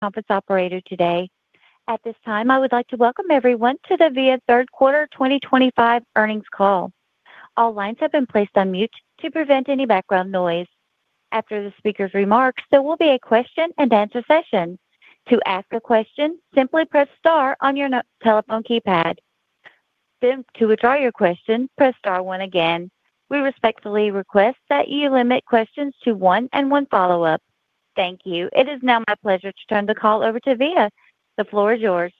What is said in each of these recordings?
Conference operator today. At this time, I would like to welcome everyone to the Via third quarter 2025 earnings call. All lines have been placed on mute to prevent any background noise. After the speaker's remarks, there will be a question-and-answer session. To ask a question, simply press star on your telephone keypad. To withdraw your question, press star one again. We respectfully request that you limit questions to one and one follow-up. Thank you. It is now my pleasure to turn the call over to Via. The floor is yours.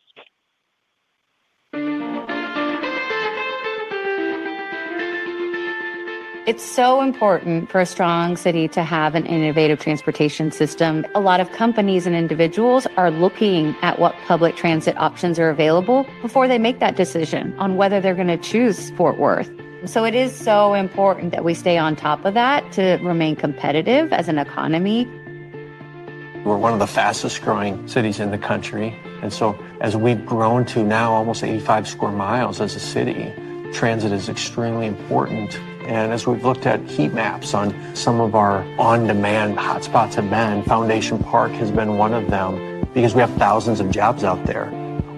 It's so important for a strong city to have an innovative transportation system. A lot of companies and individuals are looking at what public transit options are available before they make that decision on whether they're going to choose Fort Worth. It is so important that we stay on top of that to remain competitive as an economy. We're one of the fastest-growing cities in the country. As we've grown to now almost 85 sq mi as a city, transit is extremely important. As we've looked at heat maps on some of our on-demand hotspots, Foundation Park has been one of them because we have thousands of jobs out there.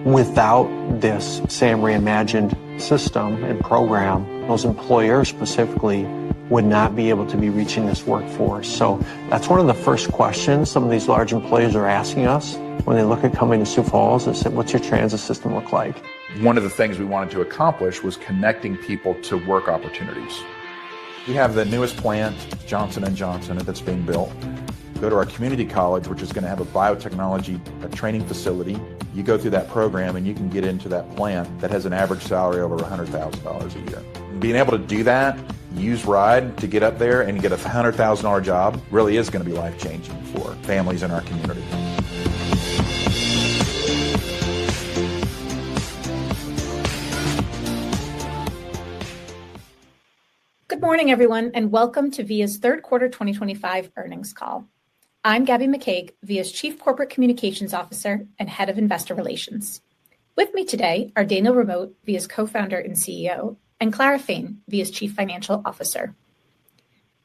Without this SAM reimagined system and program, those employers specifically would not be able to be reaching this workforce. That's one of the first questions some of these large employers are asking us when they look at coming to Sioux Falls and say, "What's your transit system look like? One of the things we wanted to accomplish was connecting people to work opportunities. We have the newest plant, Johnson & Johnson, that's being built. Go to our community college, which is going to have a biotechnology training facility. You go through that program and you can get into that plant that has an average salary over $100,000 a year. Being able to do that, use Ride to get up there and get a $100,000 job really is going to be life-changing for families in our community. Good morning, everyone, and welcome to Via's third quarter 2025 earnings call. I'm Gabby McCaig, Via's Chief Corporate Communications Officer and Head of Investor Relations. With me today are Daniel Ramot, Via's Co-Founder and CEO, and Clara Fain, Via's Chief Financial Officer.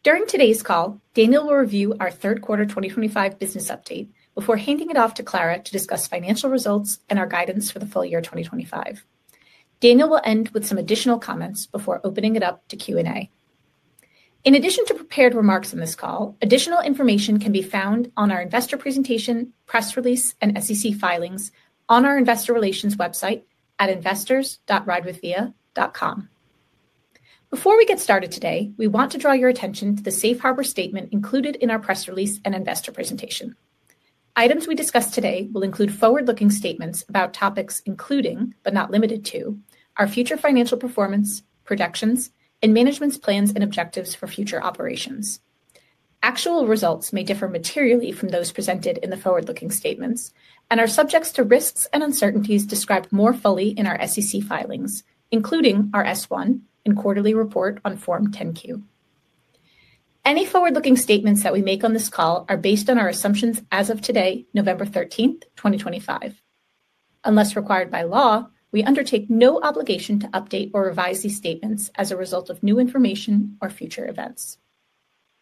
During today's call, Daniel will review our Third Quarter 2025 business update before handing it off to Clara to discuss financial results and our guidance for the full year 2025. Daniel will end with some additional comments before opening it up to Q&A. In addition to prepared remarks in this call, additional information can be found on our investor presentation, press release, and SEC filings on our Investor Relations website at investors.ridewithvia.com. Before we get started today, we want to draw your attention to the Safe Harbor statement included in our press release and investor presentation. Items we discuss today will include forward-looking statements about topics including, but not limited to, our future financial performance, projections, and management's plans and objectives for future operations. Actual results may differ materially from those presented in the forward-looking statements and are subject to risks and uncertainties described more fully in our SEC filings, including our S1 and quarterly report on Form 10-Q. Any forward-looking statements that we make on this call are based on our assumptions as of today, November 13th, 2025. Unless required by law, we undertake no obligation to update or revise these statements as a result of new information or future events.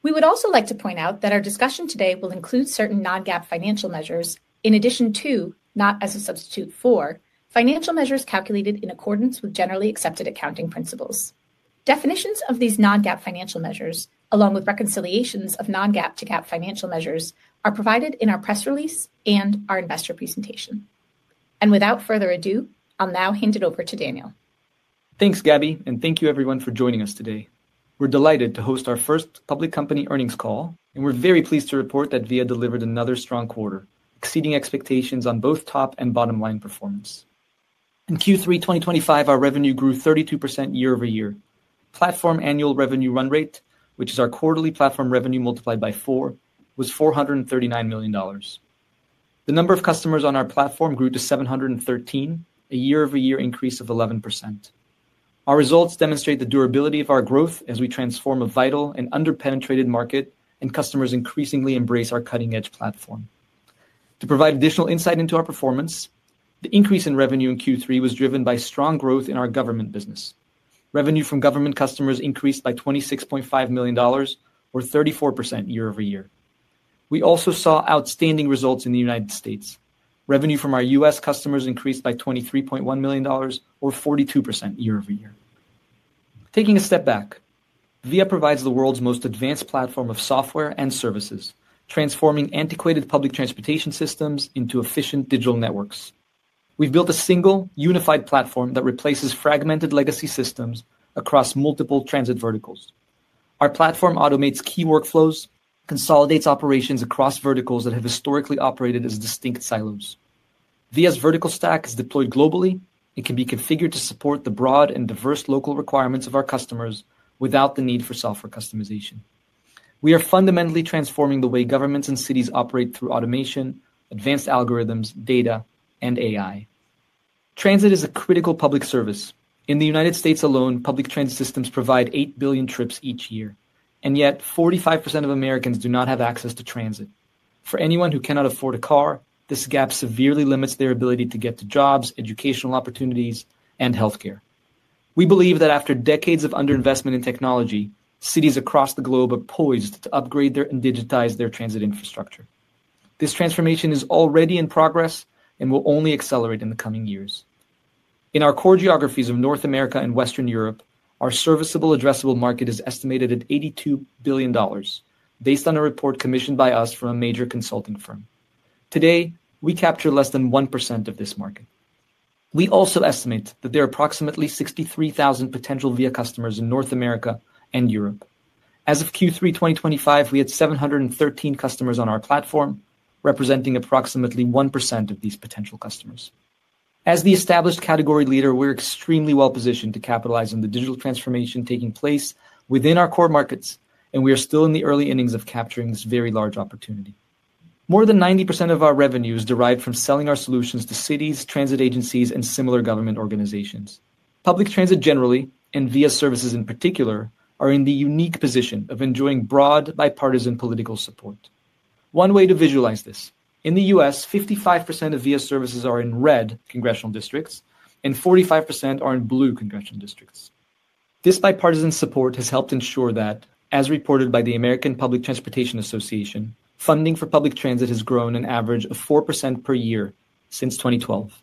We would also like to point out that our discussion today will include certain non-GAAP financial measures in addition to, not as a substitute for, financial measures calculated in accordance with generally accepted accounting principles. Definitions of these non-GAAP financial measures, along with reconciliations of non-GAAP to GAAP financial measures, are provided in our press release and our investor presentation. Without further ado, I'll now hand it over to Daniel. Thanks, Gabby, and thank you, everyone, for joining us today. We're delighted to host our first public company earnings call, and we're very pleased to report that Via delivered another strong quarter, exceeding expectations on both top and bottom line performance. In Q3 2025, our revenue grew 32% year over year. Platform annual revenue run rate, which is our quarterly platform revenue multiplied by four, was $439 million. The number of customers on our platform grew to 713, a year-over-year increase of 11%. Our results demonstrate the durability of our growth as we transform a vital and under-penetrated market, and customers increasingly embrace our cutting-edge platform. To provide additional insight into our performance, the increase in revenue in Q3 was driven by strong growth in our government business. Revenue from government customers increased by $26.5 million, or 34% year-over-year. We also saw outstanding results in the United States. Revenue from our U.S. customers increased by $23.1 million, or 42% year over year. Taking a step back, Via provides the world's most advanced platform of software and services, transforming antiquated public transportation systems into efficient digital networks. We've built a single, unified platform that replaces fragmented legacy systems across multiple transit verticals. Our platform automates key workflows, consolidates operations across verticals that have historically operated as distinct silos. Via's vertical stack is deployed globally. It can be configured to support the broad and diverse local requirements of our customers without the need for software customization. We are fundamentally transforming the way governments and cities operate through automation, advanced algorithms, data, and AI. Transit is a critical public service. In the United States alone, public transit systems provide 8 billion trips each year, and yet 45% of Americans do not have access to transit. For anyone who cannot afford a car, this gap severely limits their ability to get to jobs, educational opportunities, and healthcare. We believe that after decades of underinvestment in technology, cities across the globe are poised to upgrade and digitize their transit infrastructure. This transformation is already in progress and will only accelerate in the coming years. In our core geographies of North America and Western Europe, our serviceable addressable market is estimated at $82 billion, based on a report commissioned by us from a major consulting firm. Today, we capture less than 1% of this market. We also estimate that there are approximately 63,000 potential Via customers in North America and Europe. As of Q3 2025, we had 713 customers on our platform, representing approximately 1% of these potential customers. As the established category leader, we're extremely well-positioned to capitalize on the digital transformation taking place within our core markets, and we are still in the early innings of capturing this very large opportunity. More than 90% of our revenue is derived from selling our solutions to cities, transit agencies, and similar government organizations. Public transit generally, and Via services in particular, are in the unique position of enjoying broad bipartisan political support. One way to visualize this: in the U.S., 55% of Via services are in red congressional districts, and 45% are in blue congressional districts. This bipartisan support has helped ensure that, as reported by the American Public Transportation Association, funding for public transit has grown an average of 4% per year since 2012.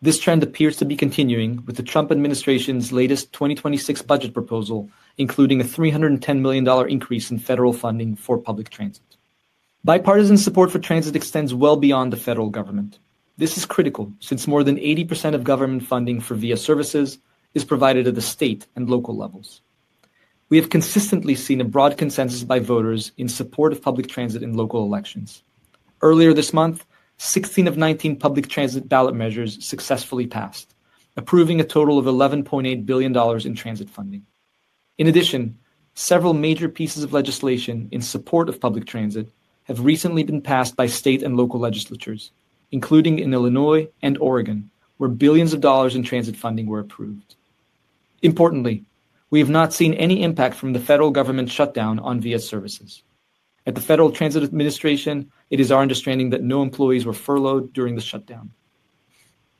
This trend appears to be continuing with the Trump administration's latest 2026 budget proposal, including a $310 million increase in federal funding for public transit. Bipartisan support for transit extends well beyond the federal government. This is critical since more than 80% of government funding for Via services is provided at the state and local levels. We have consistently seen a broad consensus by voters in support of public transit in local elections. Earlier this month, 16 of 19 public transit ballot measures successfully passed, approving a total of $11.8 billion in transit funding. In addition, several major pieces of legislation in support of public transit have recently been passed by state and local legislatures, including in Illinois and Oregon, where billions of dollars in transit funding were approved. Importantly, we have not seen any impact from the federal government shutdown on Via services. At the Federal Transit Administration, it is our understanding that no employees were furloughed during the shutdown.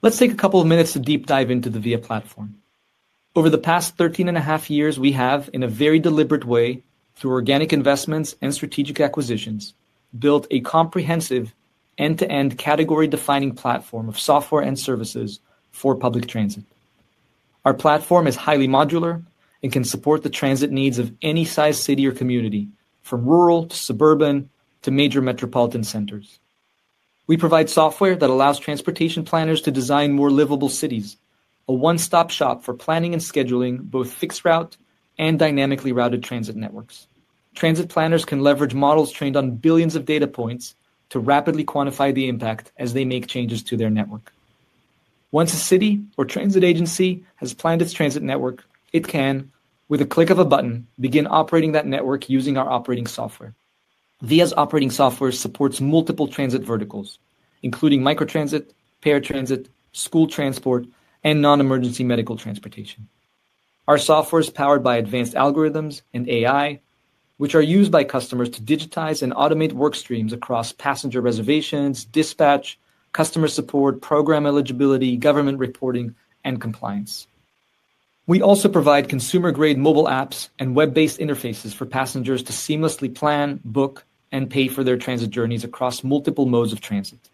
Let's take a couple of minutes to deep dive into the Via platform. Over the past 13 and a half years, we have, in a very deliberate way, through organic investments and strategic acquisitions, built a comprehensive end-to-end category-defining platform of software and services for public transit. Our platform is highly modular and can support the transit needs of any size city or community, from rural to suburban to major metropolitan centers. We provide software that allows transportation planners to design more livable cities, a one-stop shop for planning and scheduling both fixed route and dynamically routed transit networks. Transit planners can leverage models trained on billions of data points to rapidly quantify the impact as they make changes to their network. Once a city or transit agency has planned its transit network, it can, with a click of a button, begin operating that network using our operating software. Via's operating software supports multiple transit verticals, including microtransit, paratransit, school transport, and non-emergency medical transportation. Our software is powered by advanced algorithms and AI, which are used by customers to digitize and automate work streams across passenger reservations, dispatch, customer support, program eligibility, government reporting, and compliance. We also provide consumer-grade mobile apps and web-based interfaces for passengers to seamlessly plan, book, and pay for their transit journeys across multiple modes of transit.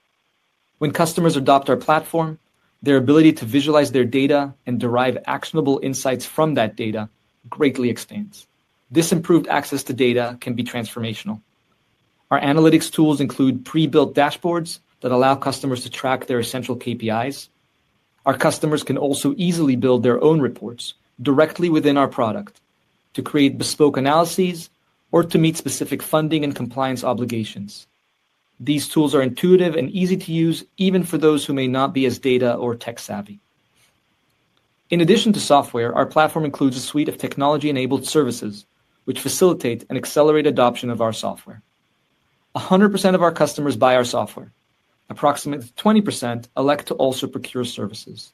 When customers adopt our platform, their ability to visualize their data and derive actionable insights from that data greatly expands. This improved access to data can be transformational. Our analytics tools include pre-built dashboards that allow customers to track their essential KPIs. Our customers can also easily build their own reports directly within our product to create bespoke analyses or to meet specific funding and compliance obligations. These tools are intuitive and easy to use, even for those who may not be as data or tech-savvy. In addition to software, our platform includes a suite of technology-enabled services, which facilitate and accelerate adoption of our software. 100% of our customers buy our software. Approximately 20% elect to also procure services.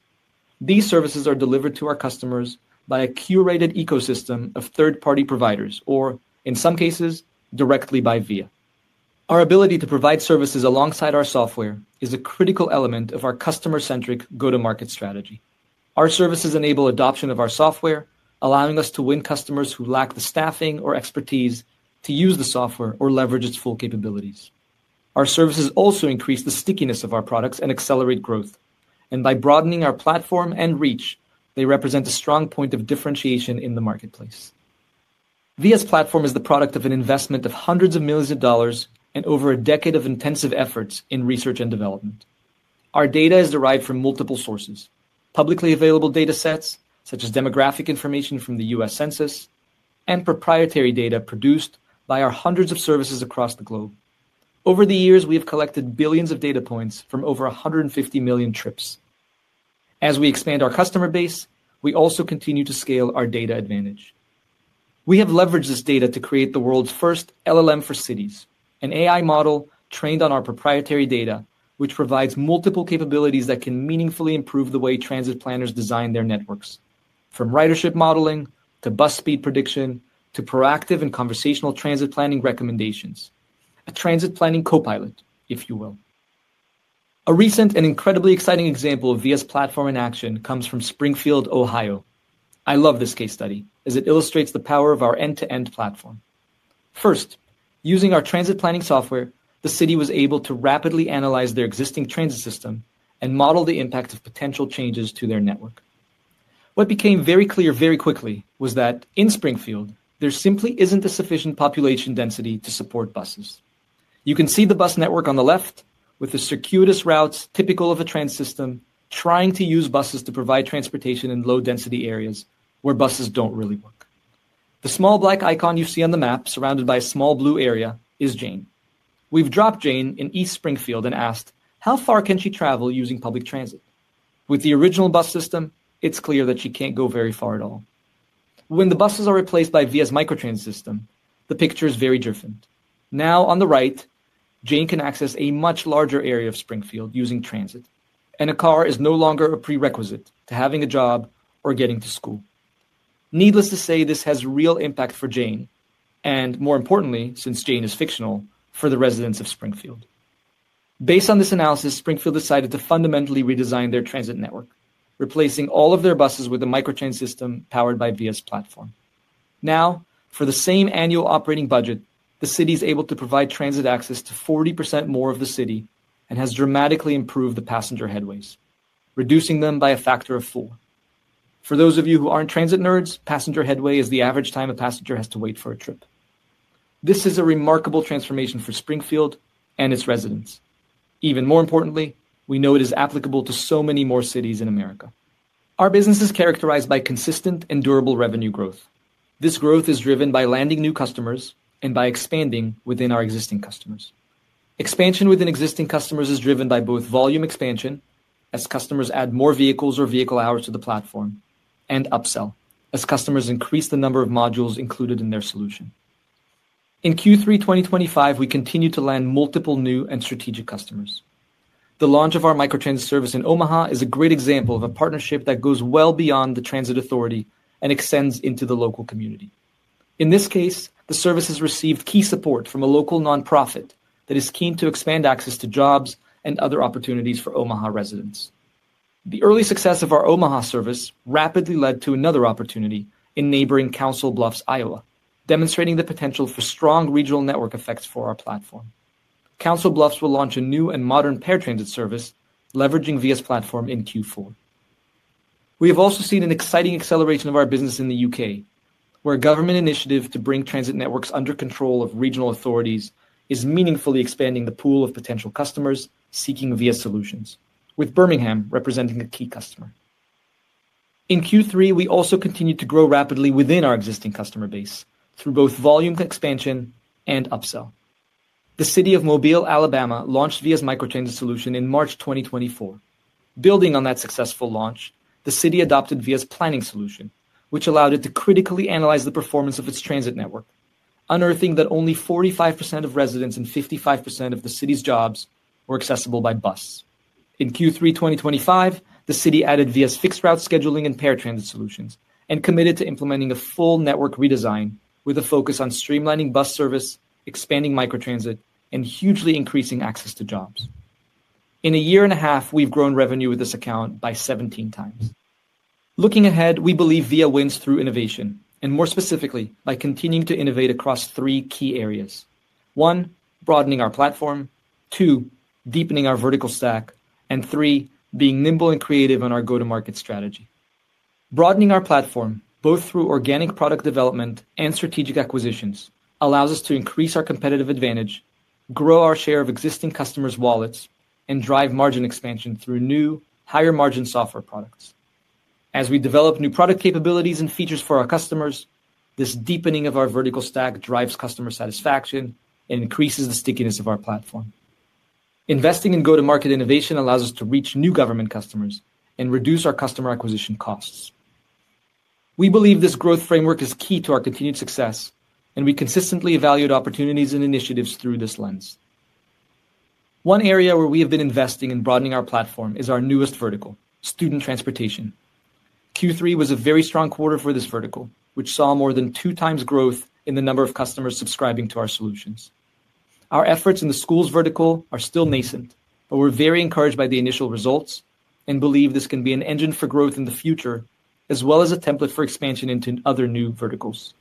These services are delivered to our customers by a curated ecosystem of third-party providers, or in some cases, directly by Via. Our ability to provide services alongside our software is a critical element of our customer-centric go-to-market strategy. Our services enable adoption of our software, allowing us to win customers who lack the staffing or expertise to use the software or leverage its full capabilities. Our services also increase the stickiness of our products and accelerate growth. By broadening our platform and reach, they represent a strong point of differentiation in the marketplace. Via's platform is the product of an investment of hundreds of millions of dollars and over a decade of intensive efforts in research and development. Our data is derived from multiple sources: publicly available data sets, such as demographic information from the U.S. Census, and proprietary data produced by our hundreds of services across the globe. Over the years, we have collected billions of data points from over 150 million trips. As we expand our customer base, we also continue to scale our data advantage. We have leveraged this data to create the world's first LLM for cities, an AI model trained on our proprietary data, which provides multiple capabilities that can meaningfully improve the way transit planners design their networks, from ridership modeling to bus speed prediction to proactive and conversational transit planning recommendations, a transit planning co-pilot, if you will. A recent and incredibly exciting example of Via's platform in action comes from Springfield, Ohio. I love this case study as it illustrates the power of our end-to-end platform. First, using our transit planning software, the city was able to rapidly analyze their existing transit system and model the impact of potential changes to their network. What became very clear very quickly was that in Springfield, there simply is not a sufficient population density to support buses. You can see the bus network on the left with the circuitous routes typical of a transit system trying to use buses to provide transportation in low-density areas where buses do not really work. The small black icon you see on the map, surrounded by a small blue area, is Jane. We have dropped Jane in East Springfield and asked, how far can she travel using public transit? With the original bus system, it is clear that she cannot go very far at all. When the buses are replaced by Via's microtransit system, the picture is very different. Now, on the right, Jane can access a much larger area of Springfield using transit, and a car is no longer a prerequisite to having a job or getting to school. Needless to say, this has real impact for Jane and, more importantly, since Jane is fictional, for the residents of Springfield. Based on this analysis, Springfield decided to fundamentally redesign their transit network, replacing all of their buses with a microtransit system powered by Via's platform. Now, for the same annual operating budget, the city is able to provide transit access to 40% more of the city and has dramatically improved the passenger headways, reducing them by a factor of four. For those of you who aren't transit nerds, passenger headway is the average time a passenger has to wait for a trip. This is a remarkable transformation for Springfield and its residents. Even more importantly, we know it is applicable to so many more cities in America. Our business is characterized by consistent and durable revenue growth. This growth is driven by landing new customers and by expanding within our existing customers. Expansion within existing customers is driven by both volume expansion, as customers add more vehicles or vehicle hours to the platform, and upsell, as customers increase the number of modules included in their solution. In Q3 2025, we continue to land multiple new and strategic customers. The launch of our microtransit service in Omaha is a great example of a partnership that goes well beyond the transit authority and extends into the local community. In this case, the service has received key support from a local non-profit that is keen to expand access to jobs and other opportunities for Omaha residents. The early success of our Omaha service rapidly led to another opportunity in neighboring Council Bluffs, Iowa, demonstrating the potential for strong regional network effects for our platform. Council Bluffs will launch a new and modern paratransit service leveraging Via's platform in Q4. We have also seen an exciting acceleration of our business in the U.K., where a government initiative to bring transit networks under control of regional authorities is meaningfully expanding the pool of potential customers seeking Via solutions, with Birmingham representing a key customer. In Q3, we also continued to grow rapidly within our existing customer base through both volume expansion and upsell. The city of Mobile, Alabama, launched Via's microtransit solution in March 2024. Building on that successful launch, the city adopted Via's planning solution, which allowed it to critically analyze the performance of its transit network, unearthing that only 45% of residents and 55% of the city's jobs were accessible by bus. In Q3 2025, the city added Via's fixed route scheduling and paratransit solutions and committed to implementing a full network redesign with a focus on streamlining bus service, expanding microtransit, and hugely increasing access to jobs. In a year and a half, we've grown revenue with this account by 17 times. Looking ahead, we believe Via wins through innovation, and more specifically, by continuing to innovate across three key areas: one, broadening our platform; two, deepening our vertical stack; and three, being nimble and creative on our go-to-market strategy. Broadening our platform, both through organic product development and strategic acquisitions, allows us to increase our competitive advantage, grow our share of existing customers' wallets, and drive margin expansion through new, higher-margin software products. As we develop new product capabilities and features for our customers, this deepening of our vertical stack drives customer satisfaction and increases the stickiness of our platform. Investing in go-to-market innovation allows us to reach new government customers and reduce our customer acquisition costs. We believe this growth framework is key to our continued success, and we consistently evaluate opportunities and initiatives through this lens. One area where we have been investing in broadening our platform is our newest vertical, student transportation. Q3 was a very strong quarter for this vertical, which saw more than two times growth in the number of customers subscribing to our solutions. Our efforts in the schools vertical are still nascent, but we're very encouraged by the initial results and believe this can be an engine for growth in the future, as well as a template for expansion into other new verticals.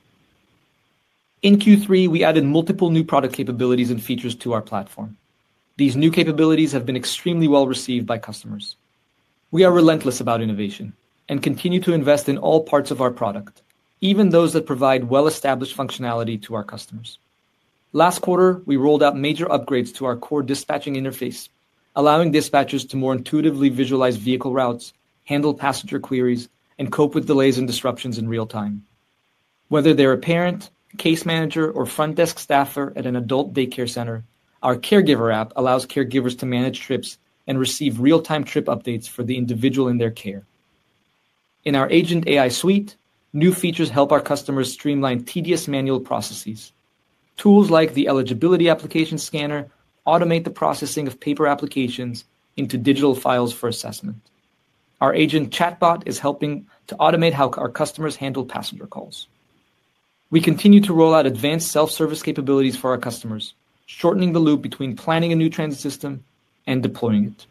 In Q3, we added multiple new product capabilities and features to our platform. These new capabilities have been extremely well received by customers. We are relentless about innovation and continue to invest in all parts of our product, even those that provide well-established functionality to our customers. Last quarter, we rolled out major upgrades to our core dispatching interface, allowing dispatchers to more intuitively visualize vehicle routes, handle passenger queries, and cope with delays and disruptions in real time. Whether they're a parent, case manager, or front desk staffer at an adult daycare center, our Caregiver app allows caregivers to manage trips and receive real-time trip updates for the individual in their care. In our Agent AI suite, new features help our customers streamline tedious manual processes. Tools like the Eligibility application scanner automate the processing of paper applications into digital files for assessment. Our Agent chatbot is helping to automate how our customers handle passenger calls. We continue to roll out advanced self-service capabilities for our customers, shortening the loop between planning a new transit system and deploying it.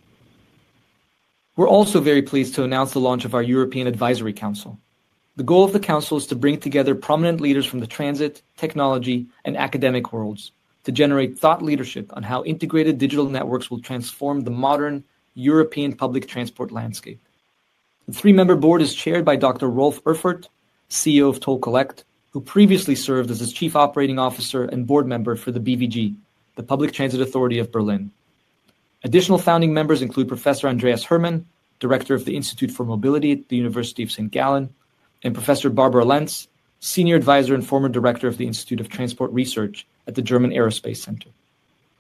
We're also very pleased to announce the launch of our European Advisory Council. The goal of the council is to bring together prominent leaders from the transit, technology, and academic worlds to generate thought leadership on how integrated digital networks will transform the modern European public transport landscape. The three-member board is chaired by Dr. Rolf Erfurt, CEO of Toll Collect, who previously served as a Chief Operating Officer and board member for the BVG, the public transit authority of Berlin. Additional founding members include Professor Andreas Herrmann, Director of the Institute for Mobility at the University of St. Gallen, and Professor Barbara Lentz, Senior Advisor and former Director of the Institute of Transport Research at the German Aerospace Center.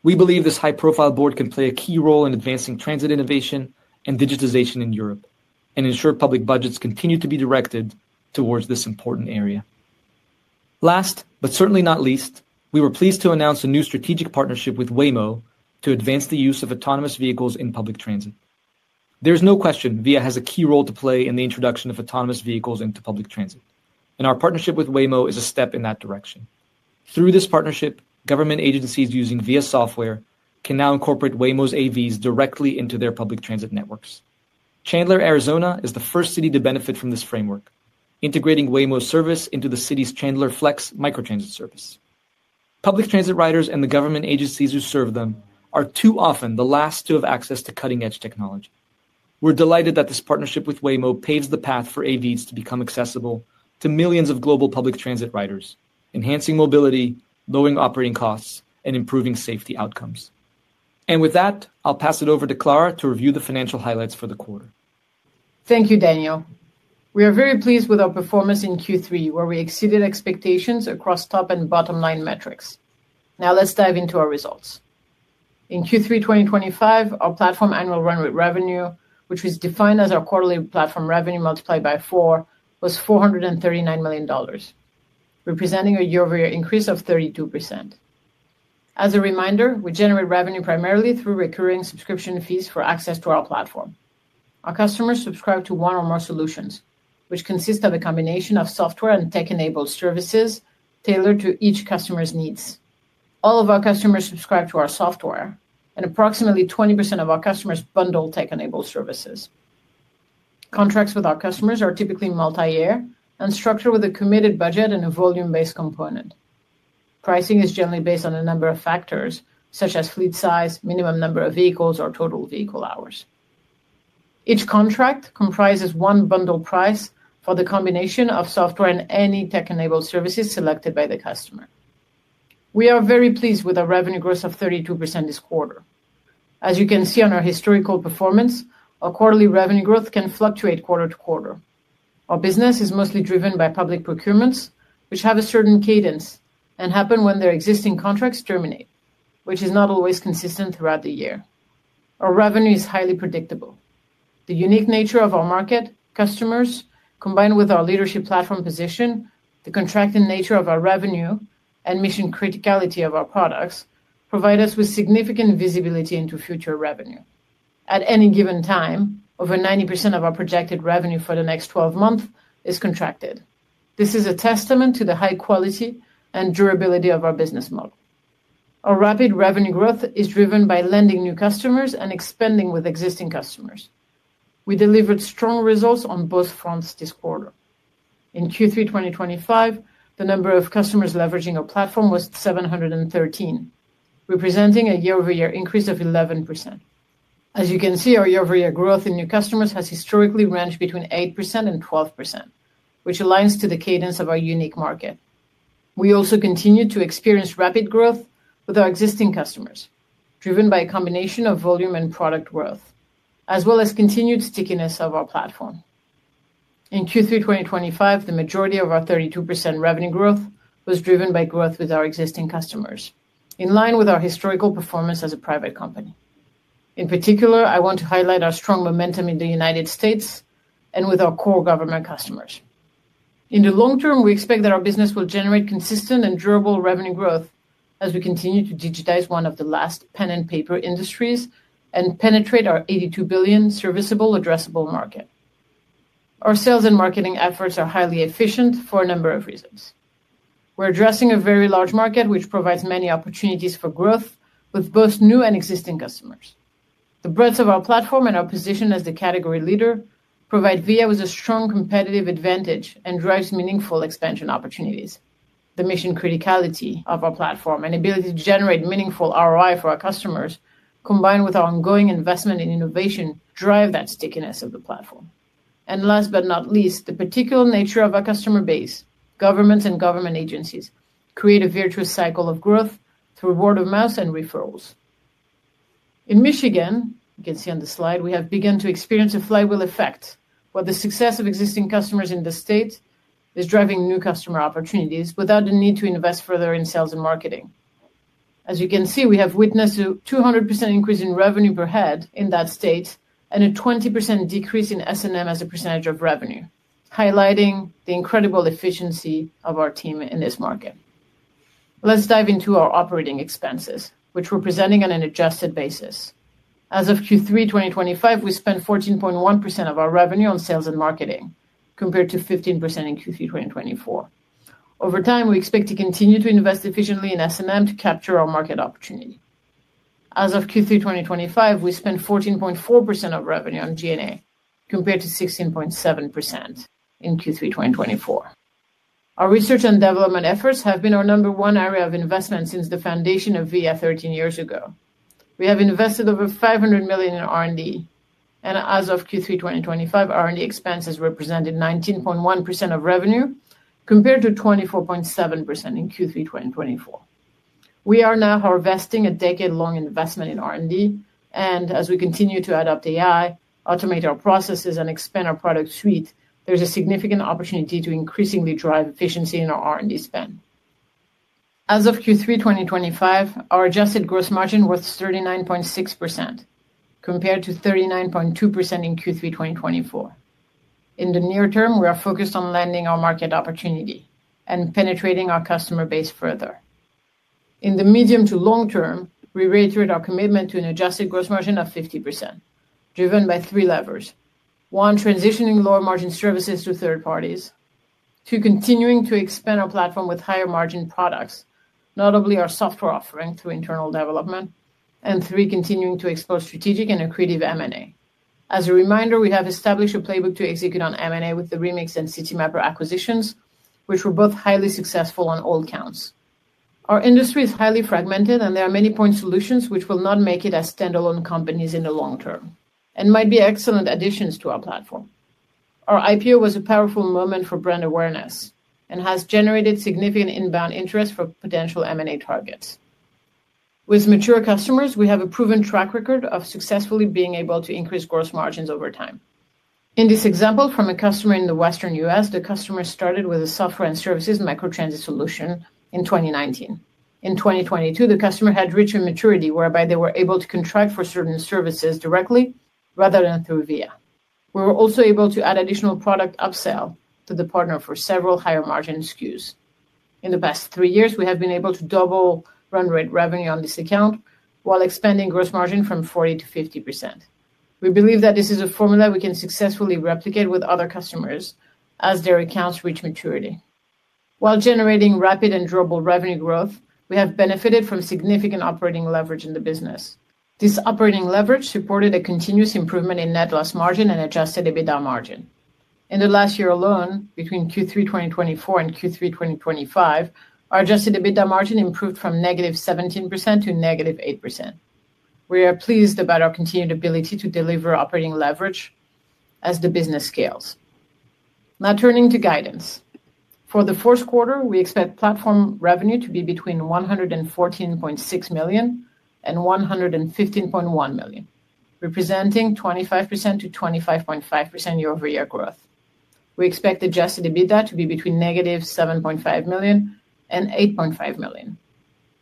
We believe this high-profile board can play a key role in advancing transit innovation and digitization in Europe and ensure public budgets continue to be directed towards this important area. Last, but certainly not least, we were pleased to announce a new strategic partnership with Waymo to advance the use of autonomous vehicles in public transit. There's no question Via has a key role to play in the introduction of autonomous vehicles into public transit, and our partnership with Waymo is a step in that direction. Through this partnership, government agencies using Via software can now incorporate Waymo's AVs directly into their public transit networks. Chandler, Arizona, is the first city to benefit from this framework, integrating Waymo's service into the city's Chandler Flex microtransit service. Public transit riders and the government agencies who serve them are too often the last to have access to cutting-edge technology. We're delighted that this partnership with Waymo paves the path for AVs to become accessible to millions of global public transit riders, enhancing mobility, lowering operating costs, and improving safety outcomes. With that, I'll pass it over to Clara to review the financial highlights for the quarter. Thank you, Daniel. We are very pleased with our performance in Q3, where we exceeded expectations across top and bottom-line metrics. Now, let's dive into our results. In Q3 2025, our platform annual runway revenue, which was defined as our quarterly platform revenue multiplied by four, was $439 million, representing a year-over-year increase of 32%. As a reminder, we generate revenue primarily through recurring subscription fees for access to our platform. Our customers subscribe to one or more solutions, which consist of a combination of software and tech-enabled services tailored to each customer's needs. All of our customers subscribe to our software, and approximately 20% of our customers bundle tech-enabled services. Contracts with our customers are typically multi-year and structured with a committed budget and a volume-based component. Pricing is generally based on a number of factors, such as fleet size, minimum number of vehicles, or total vehicle hours. Each contract comprises one bundle price for the combination of software and any tech-enabled services selected by the customer. We are very pleased with our revenue growth of 32% this quarter. As you can see on our historical performance, our quarterly revenue growth can fluctuate quarter to quarter. Our business is mostly driven by public procurements, which have a certain cadence and happen when their existing contracts terminate, which is not always consistent throughout the year. Our revenue is highly predictable. The unique nature of our market customers, combined with our leadership platform position, the contracting nature of our revenue, and mission criticality of our products provide us with significant visibility into future revenue. At any given time, over 90% of our projected revenue for the next 12 months is contracted. This is a testament to the high quality and durability of our business model. Our rapid revenue growth is driven by landing new customers and expanding with existing customers. We delivered strong results on both fronts this quarter. In Q3 2025, the number of customers leveraging our platform was 713, representing a year-over-year increase of 11%. As you can see, our year-over-year growth in new customers has historically ranged between 8% and 12%, which aligns to the cadence of our unique market. We also continue to experience rapid growth with our existing customers, driven by a combination of volume and product growth, as well as continued stickiness of our platform. In Q3 2025, the majority of our 32% revenue growth was driven by growth with our existing customers, in line with our historical performance as a private company. In particular, I want to highlight our strong momentum in the United States and with our core government customers. In the long term, we expect that our business will generate consistent and durable revenue growth as we continue to digitize one of the last pen-and-paper industries and penetrate our $82 billion serviceable addressable market. Our sales and marketing efforts are highly efficient for a number of reasons. We're addressing a very large market, which provides many opportunities for growth with both new and existing customers. The breadth of our platform and our position as the category leader provide Via with a strong competitive advantage and drive meaningful expansion opportunities. The mission criticality of our platform and ability to generate meaningful ROI for our customers, combined with our ongoing investment in innovation, drive that stickiness of the platform. Last but not least, the particular nature of our customer base, governments, and government agencies create a virtuous cycle of growth through word of mouth and referrals. In Michigan, you can see on the slide, we have begun to experience a flywheel effect where the success of existing customers in the state is driving new customer opportunities without the need to invest further in sales and marketing. As you can see, we have witnessed a 200% increase in revenue per head in that state and a 20% decrease in S&M as a percentage of revenue, highlighting the incredible efficiency of our team in this market. Let's dive into our operating expenses, which we're presenting on an adjusted basis. As of Q3 2025, we spent 14.1% of our revenue on sales and marketing, compared to 15% in Q3 2024. Over time, we expect to continue to invest efficiently in S&M to capture our market opportunity. As of Q3 2025, we spent 14.4% of revenue on G&A, compared to 16.7% in Q3 2024. Our research and development efforts have been our number one area of investment since the foundation of Via 13 years ago. We have invested over $500 million in R&D, and as of Q3 2025, R&D expenses represented 19.1% of revenue, compared to 24.7% in Q3 2024. We are now harvesting a decade-long investment in R&D, and as we continue to adopt AI, automate our processes, and expand our product suite, there's a significant opportunity to increasingly drive efficiency in our R&D spend. As of Q3 2025, our adjusted gross margin was 39.6%, compared to 39.2% in Q3 2024. In the near term, we are focused on landing our market opportunity and penetrating our customer base further. In the medium to long term, we reiterate our commitment to an adjusted gross margin of 50%, driven by three levers: one, transitioning lower-margin services to third parties; two, continuing to expand our platform with higher-margin products, notably our software offering through internal development; and three, continuing to expose strategic and accretive M&A. As a reminder, we have established a playbook to execute on M&A with the Remix and Citymapper acquisitions, which were both highly successful on all counts. Our industry is highly fragmented, and there are many point solutions which will not make it as standalone companies in the long term and might be excellent additions to our platform. Our IPO was a powerful moment for brand awareness and has generated significant inbound interest for potential M&A targets. With mature customers, we have a proven track record of successfully being able to increase gross margins over time. In this example from a customer in the Western U.S., the customer started with a software and services microtransit solution in 2019. In 2022, the customer had richer maturity, whereby they were able to contract for certain services directly rather than through Via. We were also able to add additional product upsell to the partner for several higher-margin SKUs. In the past three years, we have been able to double run rate revenue on this account while expanding gross margin from 40% to 50%. We believe that this is a formula we can successfully replicate with other customers as their accounts reach maturity. While generating rapid and durable revenue growth, we have benefited from significant operating leverage in the business. This operating leverage supported a continuous improvement in net loss margin and adjusted EBITDA margin. In the last year alone, between Q3 2024 and Q3 2025, our adjusted EBITDA margin improved from negative 17% to negative 8%. We are pleased about our continued ability to deliver operating leverage as the business scales. Now, turning to guidance. For the fourth quarter, we expect platform revenue to be between $114.6 million and $115.1 million, representing 25%-25.5% year-over-year growth. We expect adjusted EBITDA to be between negative $7.5 million and $8.5 million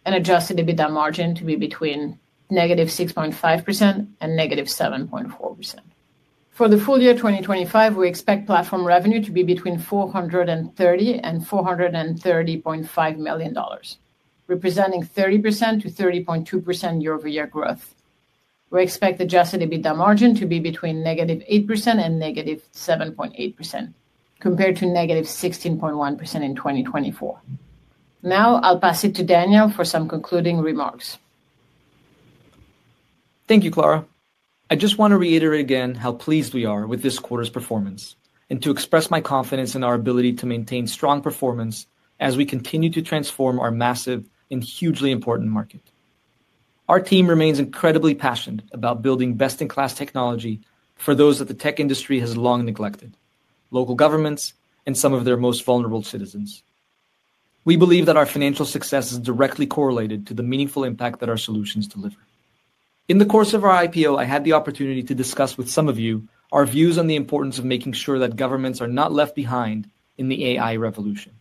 and adjusted EBITDA margin to be between negative 6.5% and negative 7.4%. For the full year 2025, we expect platform revenue to be between $430 million and $430.5 million, representing 30%-30.2% year-over-year growth. We expect adjusted EBITDA margin to be between -8% and -7.8%, compared to -16.1% in 2024. Now, I'll pass it to Daniel for some concluding remarks. Thank you, Clara. I just want to reiterate again how pleased we are with this quarter's performance and to express my confidence in our ability to maintain strong performance as we continue to transform our massive and hugely important market. Our team remains incredibly passionate about building best-in-class technology for those that the tech industry has long neglected: local governments and some of their most vulnerable citizens. We believe that our financial success is directly correlated to the meaningful impact that our solutions deliver. In the course of our IPO, I had the opportunity to discuss with some of you our views on the importance of making sure that governments are not left behind in the AI revolution.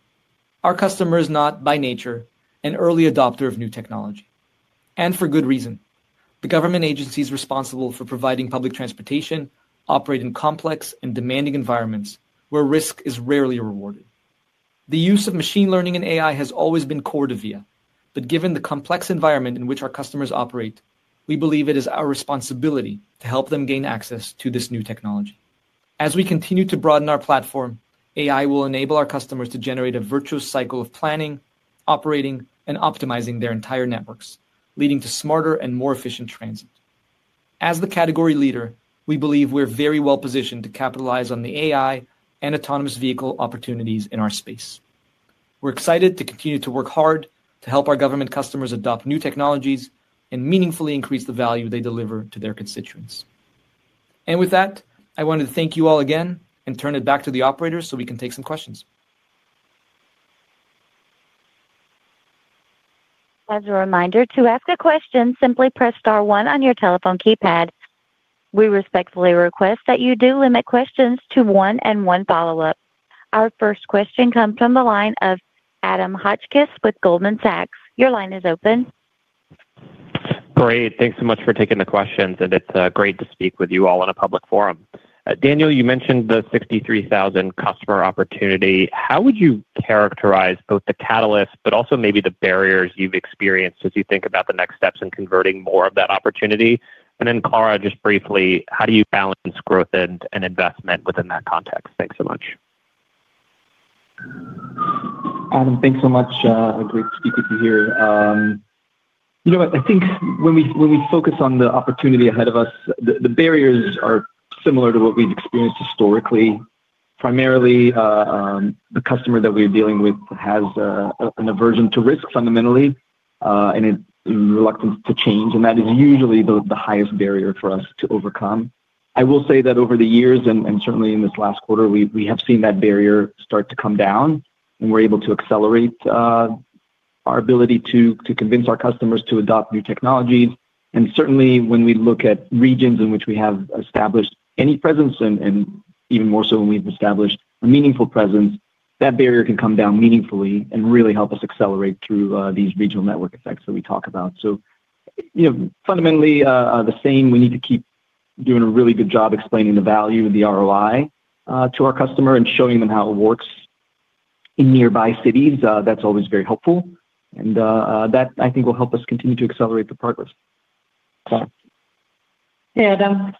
Our customer is not, by nature, an early adopter of new technology, and for good reason. The government agencies responsible for providing public transportation operate in complex and demanding environments where risk is rarely rewarded. The use of machine learning and AI has always been core to Via, but given the complex environment in which our customers operate, we believe it is our responsibility to help them gain access to this new technology. As we continue to broaden our platform, AI will enable our customers to generate a virtuous cycle of planning, operating, and optimizing their entire networks, leading to smarter and more efficient transit. As the category leader, we believe we're very well positioned to capitalize on the AI and autonomous vehicle opportunities in our space. We're excited to continue to work hard to help our government customers adopt new technologies and meaningfully increase the value they deliver to their constituents. With that, I wanted to thank you all again and turn it back to the operators so we can take some questions. As a reminder, to ask a question, simply press star one on your telephone keypad. We respectfully request that you do limit questions to one and one follow-up. Our first question comes from the line of Adam Hotchkiss with Goldman Sachs. Your line is open. Great. Thanks so much for taking the questions, and it's great to speak with you all in a public forum. Daniel, you mentioned the 63,000 customer opportunity. How would you characterize both the catalyst but also maybe the barriers you've experienced as you think about the next steps in converting more of that opportunity? Clara, just briefly, how do you balance growth and investment within that context? Thanks so much. Adam, thanks so much. Great to speak with you here. You know what? I think when we focus on the opportunity ahead of us, the barriers are similar to what we've experienced historically. Primarily, the customer that we're dealing with has an aversion to risk fundamentally and a reluctance to change, and that is usually the highest barrier for us to overcome. I will say that over the years and certainly in this last quarter, we have seen that barrier start to come down, and we're able to accelerate our ability to convince our customers to adopt new technologies. Certainly, when we look at regions in which we have established any presence, and even more so when we have established a meaningful presence, that barrier can come down meaningfully and really help us accelerate through these regional network effects that we talk about. Fundamentally, the same. We need to keep doing a really good job explaining the value of the ROI to our customer and showing them how it works in nearby cities. That is always very helpful, and that, I think, will help us continue to accelerate the progress. Hey, Adam.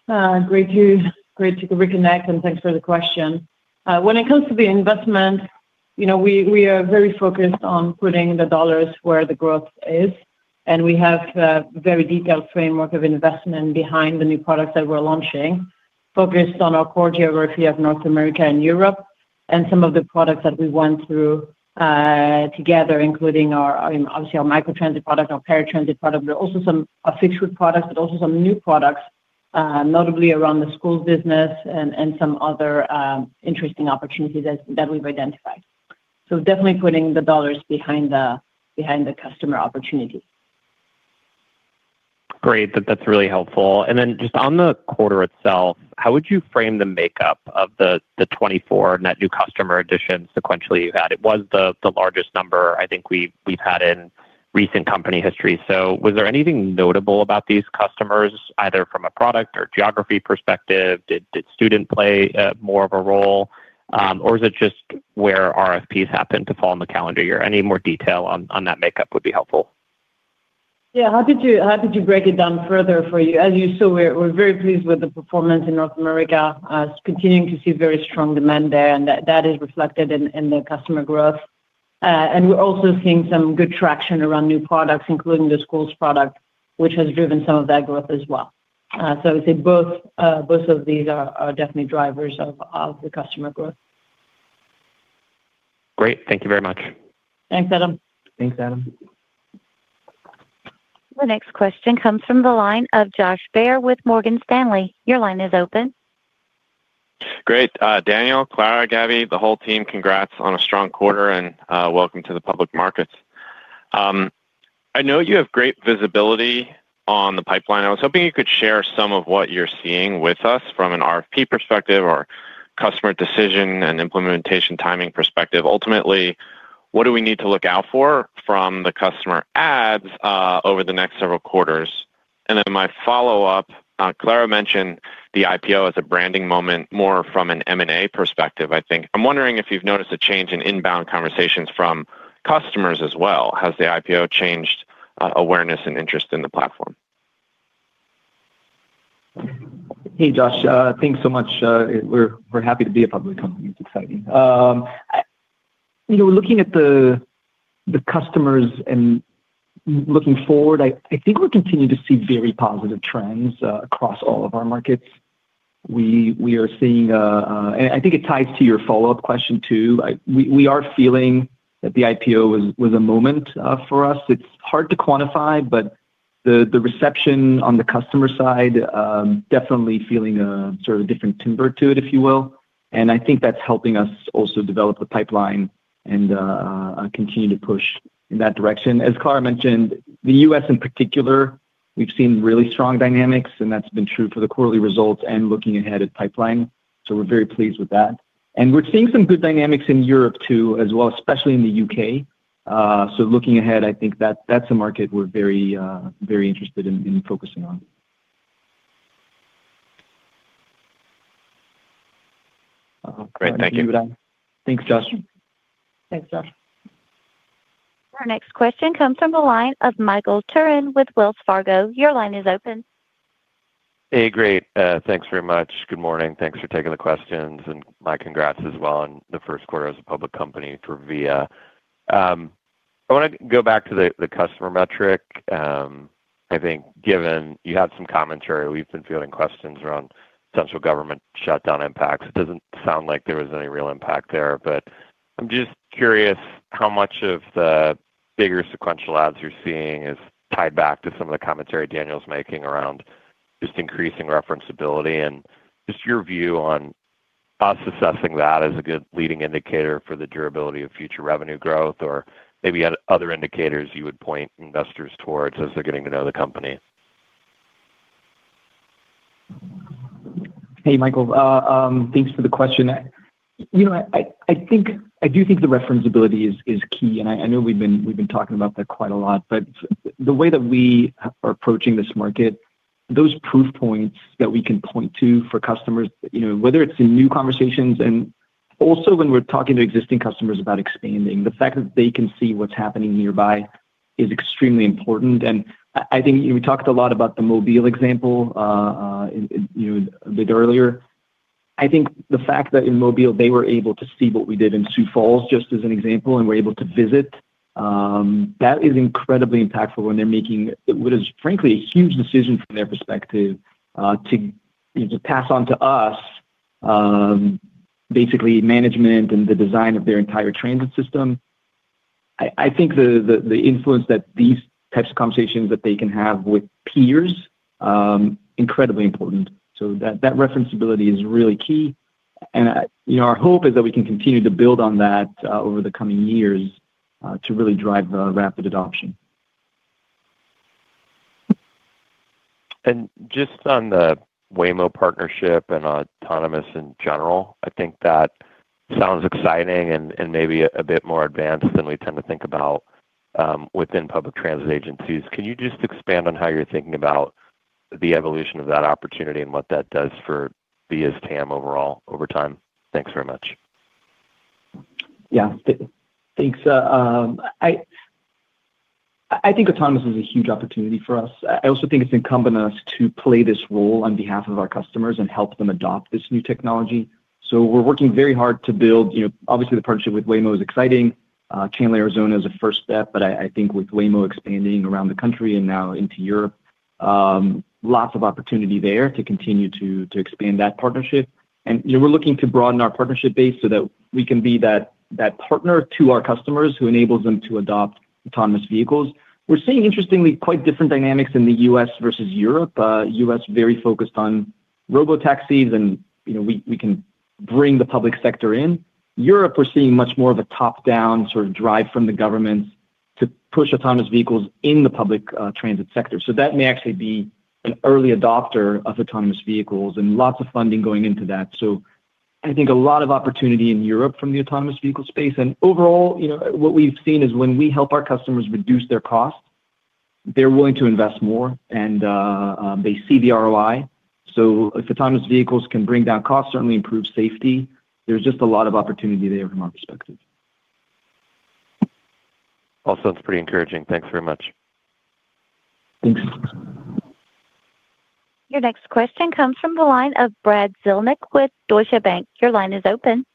Great to reconnect, and thanks for the question. When it comes to the investment, we are very focused on putting the dollars where the growth is, and we have a very detailed framework of investment behind the new products that we're launching, focused on our core geography of North America and Europe and some of the products that we went through together, including obviously our microtransit product, our paratransit product, but also some fixed-route products, but also some new products, notably around the schools business and some other interesting opportunities that we've identified. Definitely putting the dollars behind the customer opportunity. Great. That's really helpful. And then just on the quarter itself, how would you frame the makeup of the 24 net new customer additions sequentially you had? It was the largest number I think we've had in recent company history. Was there anything notable about these customers, either from a product or geography perspective? Did student play more of a role? Or is it just where RFPs happened to fall in the calendar year? Any more detail on that makeup would be helpful. Yeah. How did you break it down further for you? As you saw, we're very pleased with the performance in North America. Continuing to see very strong demand there, and that is reflected in the customer growth. We're also seeing some good traction around new products, including the schools product, which has driven some of that growth as well. I would say both of these are definitely drivers of the customer growth. Great. Thank you very much. Thanks, Adam. Thanks, Adam. The next question comes from the line of Josh Baer with Morgan Stanley. Your line is open. Great. Daniel, Clara, Gabby, the whole team, congrats on a strong quarter and welcome to the public markets. I know you have great visibility on the pipeline. I was hoping you could share some of what you're seeing with us from an RFP perspective or customer decision and implementation timing perspective. Ultimately, what do we need to look out for from the customer ads over the next several quarters? My follow-up, Clara mentioned the IPO as a branding moment more from an M&A perspective, I think. I'm wondering if you've noticed a change in inbound conversations from customers as well. Has the IPO changed awareness and interest in the platform? Hey, Josh. Thanks so much. We're happy to be a public company. It's exciting. Looking at the customers and looking forward, I think we're continuing to see very positive trends across all of our markets. We are seeing a—and I think it ties to your follow-up question too. We are feeling that the IPO was a moment for us. It's hard to quantify, but the reception on the customer side definitely feeling a sort of different timbre to it, if you will. I think that's helping us also develop the pipeline and continue to push in that direction. As Clara mentioned, the U.S. in particular, we've seen really strong dynamics, and that's been true for the quarterly results and looking ahead at pipeline. We are very pleased with that. We are seeing some good dynamics in Europe too, as well, especially in the U.K. Looking ahead, I think that's a market we're very interested in focusing on. Great. Thank you. Thanks, Josh. Thanks, Josh. Our next question comes from the line of Michael Turrin with Wells Fargo. Your line is open. Hey, great. Thanks very much. Good morning. Thanks for taking the questions, and my congrats as well on the first quarter as a public company for Via. I want to go back to the customer metric. I think given you had some commentary, we've been fielding questions around central government shutdown impacts. It does not sound like there was any real impact there, but I'm just curious how much of the bigger sequential adds you're seeing is tied back to some of the commentary Daniel's making around just increasing referenceability and just your view on us assessing that as a good leading indicator for the durability of future revenue growth or maybe other indicators you would point investors towards as they're getting to know the company. Hey, Michael. Thanks for the question. I do think the referenceability is key, and I know we've been talking about that quite a lot, but the way that we are approaching this market, those proof points that we can point to for customers, whether it's in new conversations and also when we're talking to existing customers about expanding, the fact that they can see what's happening nearby is extremely important. I think we talked a lot about the Mobile example a bit earlier. I think the fact that in Mobile, they were able to see what we did in Sioux Falls just as an example and were able to visit, that is incredibly impactful when they're making, what is, frankly, a huge decision from their perspective to pass on to us, basically management and the design of their entire transit system. I think the influence that these types of conversations that they can have with peers is incredibly important. That referenceability is really key. Our hope is that we can continue to build on that over the coming years to really drive the rapid adoption. Just on the Waymo partnership and autonomous in general, I think that sounds exciting and maybe a bit more advanced than we tend to think about within public transit agencies. Can you just expand on how you're thinking about the evolution of that opportunity and what that does for Via's TAM overall over time? Thanks very much. Yeah. Thanks. I think autonomous is a huge opportunity for us. I also think it's incumbent on us to play this role on behalf of our customers and help them adopt this new technology. We're working very hard to build. Obviously, the partnership with Waymo is exciting. Chandler, Arizona is a first step, but I think with Waymo expanding around the country and now into Europe, lots of opportunity there to continue to expand that partnership. We are looking to broaden our partnership base so that we can be that partner to our customers who enables them to adopt autonomous vehicles. We are seeing, interestingly, quite different dynamics in the U.S. versus Europe. U.S. very focused on robotaxis, and we can bring the public sector in. Europe, we are seeing much more of a top-down sort of drive from the governments to push autonomous vehicles in the public transit sector. That may actually be an early adopter of autonomous vehicles and lots of funding going into that. I think a lot of opportunity in Europe from the autonomous vehicle space. Overall, what we've seen is when we help our customers reduce their costs, they're willing to invest more, and they see the ROI. If autonomous vehicles can bring down costs, certainly improve safety. There's just a lot of opportunity there from our perspective. All sounds pretty encouraging. Thanks very much. Thanks. Your next question comes from the line of Brad Zelnick with Deutsche Bank. Your line is open.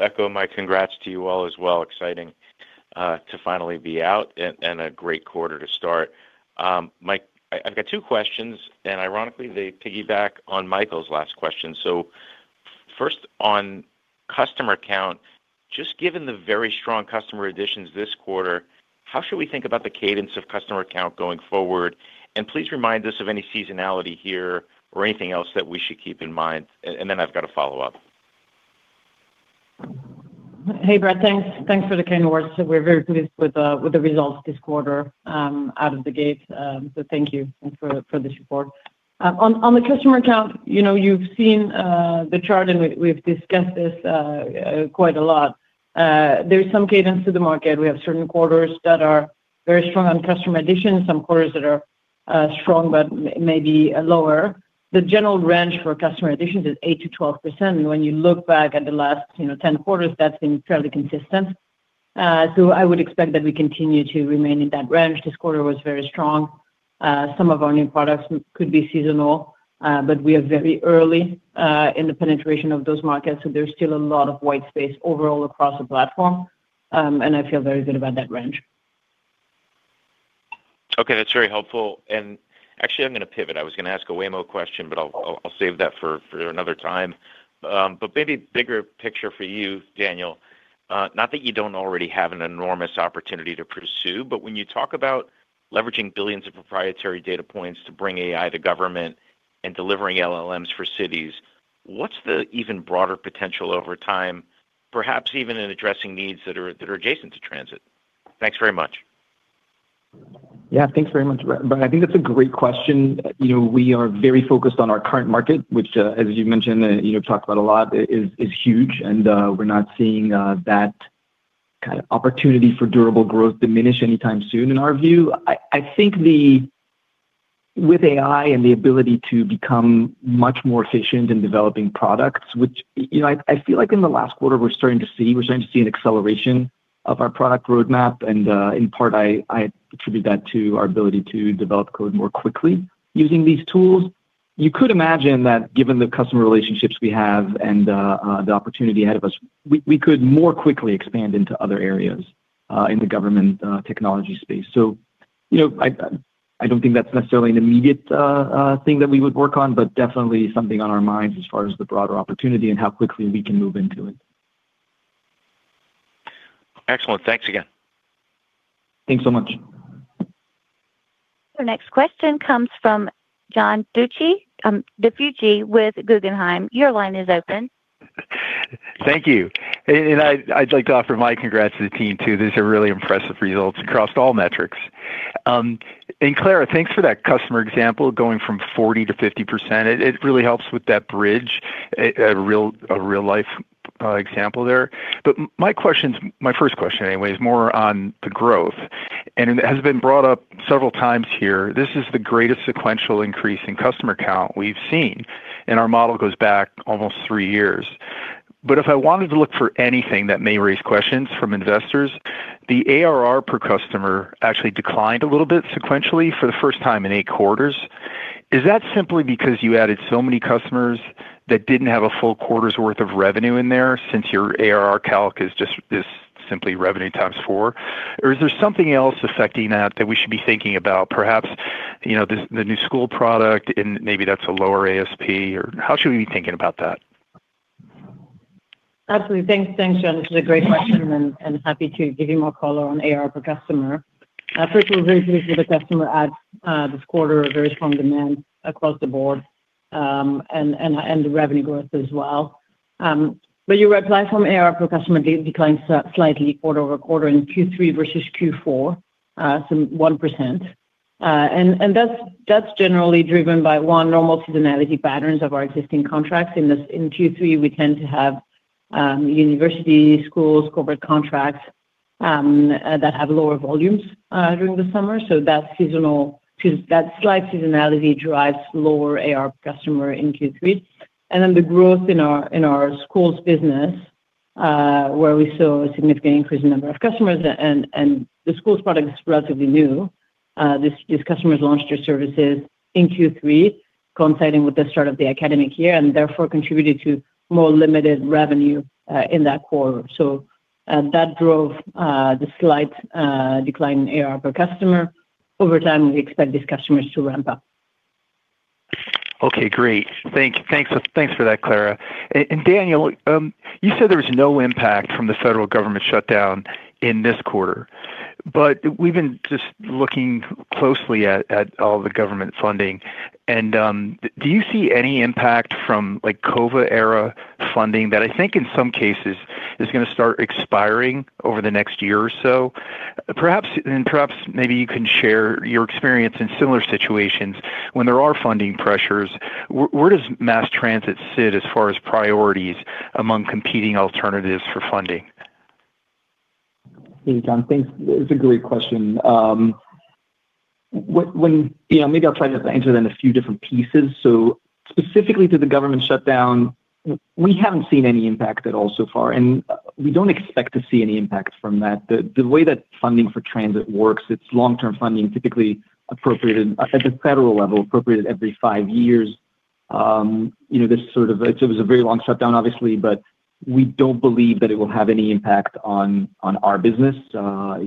Echo my congrats to you all as well. Exciting to finally be out and a great quarter to start. Mike, I've got two questions, and ironically, they piggyback on Michael's last question. First, on customer count, just given the very strong customer additions this quarter, how should we think about the cadence of customer count going forward? Please remind us of any seasonality here or anything else that we should keep in mind. Then I've got a follow-up. Hey, Brad. Thanks for the kind words. We're very pleased with the results this quarter out of the gate. Thank you for this report. On the customer count, you've seen the chart, and we've discussed this quite a lot. There's some cadence to the market. We have certain quarters that are very strong on customer additions, some quarters that are strong but maybe lower. The general range for customer additions is 8%-12%. When you look back at the last 10 quarters, that's been fairly consistent. I would expect that we continue to remain in that range. This quarter was very strong. Some of our new products could be seasonal, but we are very early in the penetration of those markets. There is still a lot of white space overall across the platform, and I feel very good about that range. Okay. That is very helpful. Actually, I am going to pivot. I was going to ask a Waymo question, but I will save that for another time. Maybe bigger picture for you, Daniel, not that you do not already have an enormous opportunity to pursue, but when you talk about leveraging billions of proprietary data points to bring AI to government and delivering LLMs for cities, what is the even broader potential over time, perhaps even in addressing needs that are adjacent to transit? Thanks very much. Yeah. Thanks very much, Brad. I think that is a great question. We are very focused on our current market, which, as you mentioned, talked about a lot, is huge, and we are not seeing that kind of opportunity for durable growth diminish anytime soon in our view. I think with AI and the ability to become much more efficient in developing products, which I feel like in the last quarter we're starting to see, we're starting to see an acceleration of our product roadmap. In part, I attribute that to our ability to develop code more quickly using these tools. You could imagine that given the customer relationships we have and the opportunity ahead of us, we could more quickly expand into other areas in the government technology space. I don't think that's necessarily an immediate thing that we would work on, but definitely something on our minds as far as the broader opportunity and how quickly we can move into it. Excellent. Thanks again. Thanks so much. Our next question comes from John DiFucci with Guggenheim. Your line is open. Thank you. I'd like to offer my congrats to the team too. These are really impressive results across all metrics. Clara, thanks for that customer example going from 40% to 50%. It really helps with that bridge, a real-life example there. My questions, my first question anyway, is more on the growth. It has been brought up several times here. This is the greatest sequential increase in customer count we've seen, and our model goes back almost three years. If I wanted to look for anything that may raise questions from investors, the ARR per customer actually declined a little bit sequentially for the first time in eight quarters. Is that simply because you added so many customers that did not have a full quarter's worth of revenue in there since your ARR calc is just simply revenue times four? Or is there something else affecting that that we should be thinking about, perhaps the new school product, and maybe that's a lower ASP? Or how should we be thinking about that? Absolutely. Thanks, John. This is a great question, and happy to give you more color on ARR per customer. First, we're very pleased with the customer ads this quarter, very strong demand across the board, and revenue growth as well. You were right. Platform ARR per customer declined slightly quarter over quarter in Q3 versus Q4, some 1%. That's generally driven by, one, normal seasonality patterns of our existing contracts. In Q3, we tend to have universities, schools, corporate contracts that have lower volumes during the summer. That slight seasonality drives lower ARR per customer in Q3. Then the growth in our schools business, where we saw a significant increase in number of customers, and the schools' product is relatively new. These customers launched their services in Q3, coinciding with the start of the academic year, and therefore contributed to more limited revenue in that quarter. That drove the slight decline in ARR per customer. Over time, we expect these customers to ramp up. Okay. Great. Thanks for that, Clara. Daniel, you said there was no impact from the federal government shutdown in this quarter, but we've been just looking closely at all the government funding. Do you see any impact from COVID-era funding that I think in some cases is going to start expiring over the next year or so? Perhaps maybe you can share your experience in similar situations when there are funding pressures. Where does mass transit sit as far as priorities among competing alternatives for funding? Thanks, John. Thanks. That's a great question. Maybe I'll try to answer that in a few different pieces. Specifically to the government shutdown, we haven't seen any impact at all so far, and we don't expect to see any impact from that. The way that funding for transit works, it's long-term funding, typically appropriated at the federal level, appropriated every five years. This sort of, it was a very long shutdown, obviously, but we don't believe that it will have any impact on our business,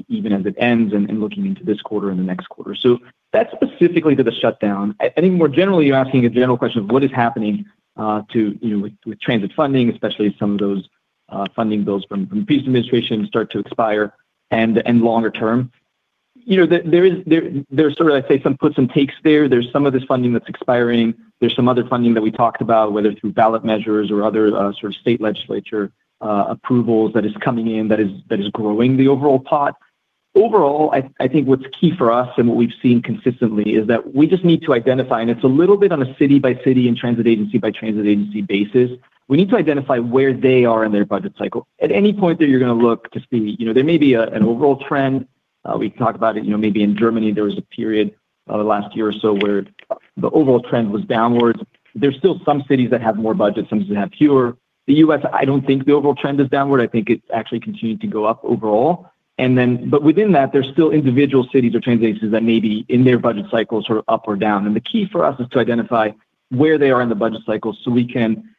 even as it ends and looking into this quarter and the next quarter. That's specifically to the shutdown. I think more generally, you're asking a general question of what is happening with transit funding, especially some of those funding bills from the previous administration start to expire and longer term. There's sort of, I'd say, some puts and takes there. There's some of this funding that's expiring. There's some other funding that we talked about, whether through ballot measures or other sort of state legislature approvals that is coming in that is growing the overall pot. Overall, I think what's key for us and what we've seen consistently is that we just need to identify, and it's a little bit on a city-by-city and transit agency-by-transit agency basis. We need to identify where they are in their budget cycle. At any point there, you're going to look to see there may be an overall trend. We talked about it. Maybe in Germany, there was a period last year or so where the overall trend was downward. There are still some cities that have more budgets, some cities that have fewer. The U.S., I do not think the overall trend is downward. I think it is actually continuing to go up overall. Within that, there are still individual cities or transit agencies that may be in their budget cycle sort of up or down. The key for us is to identify where they are in the budget cycle so we can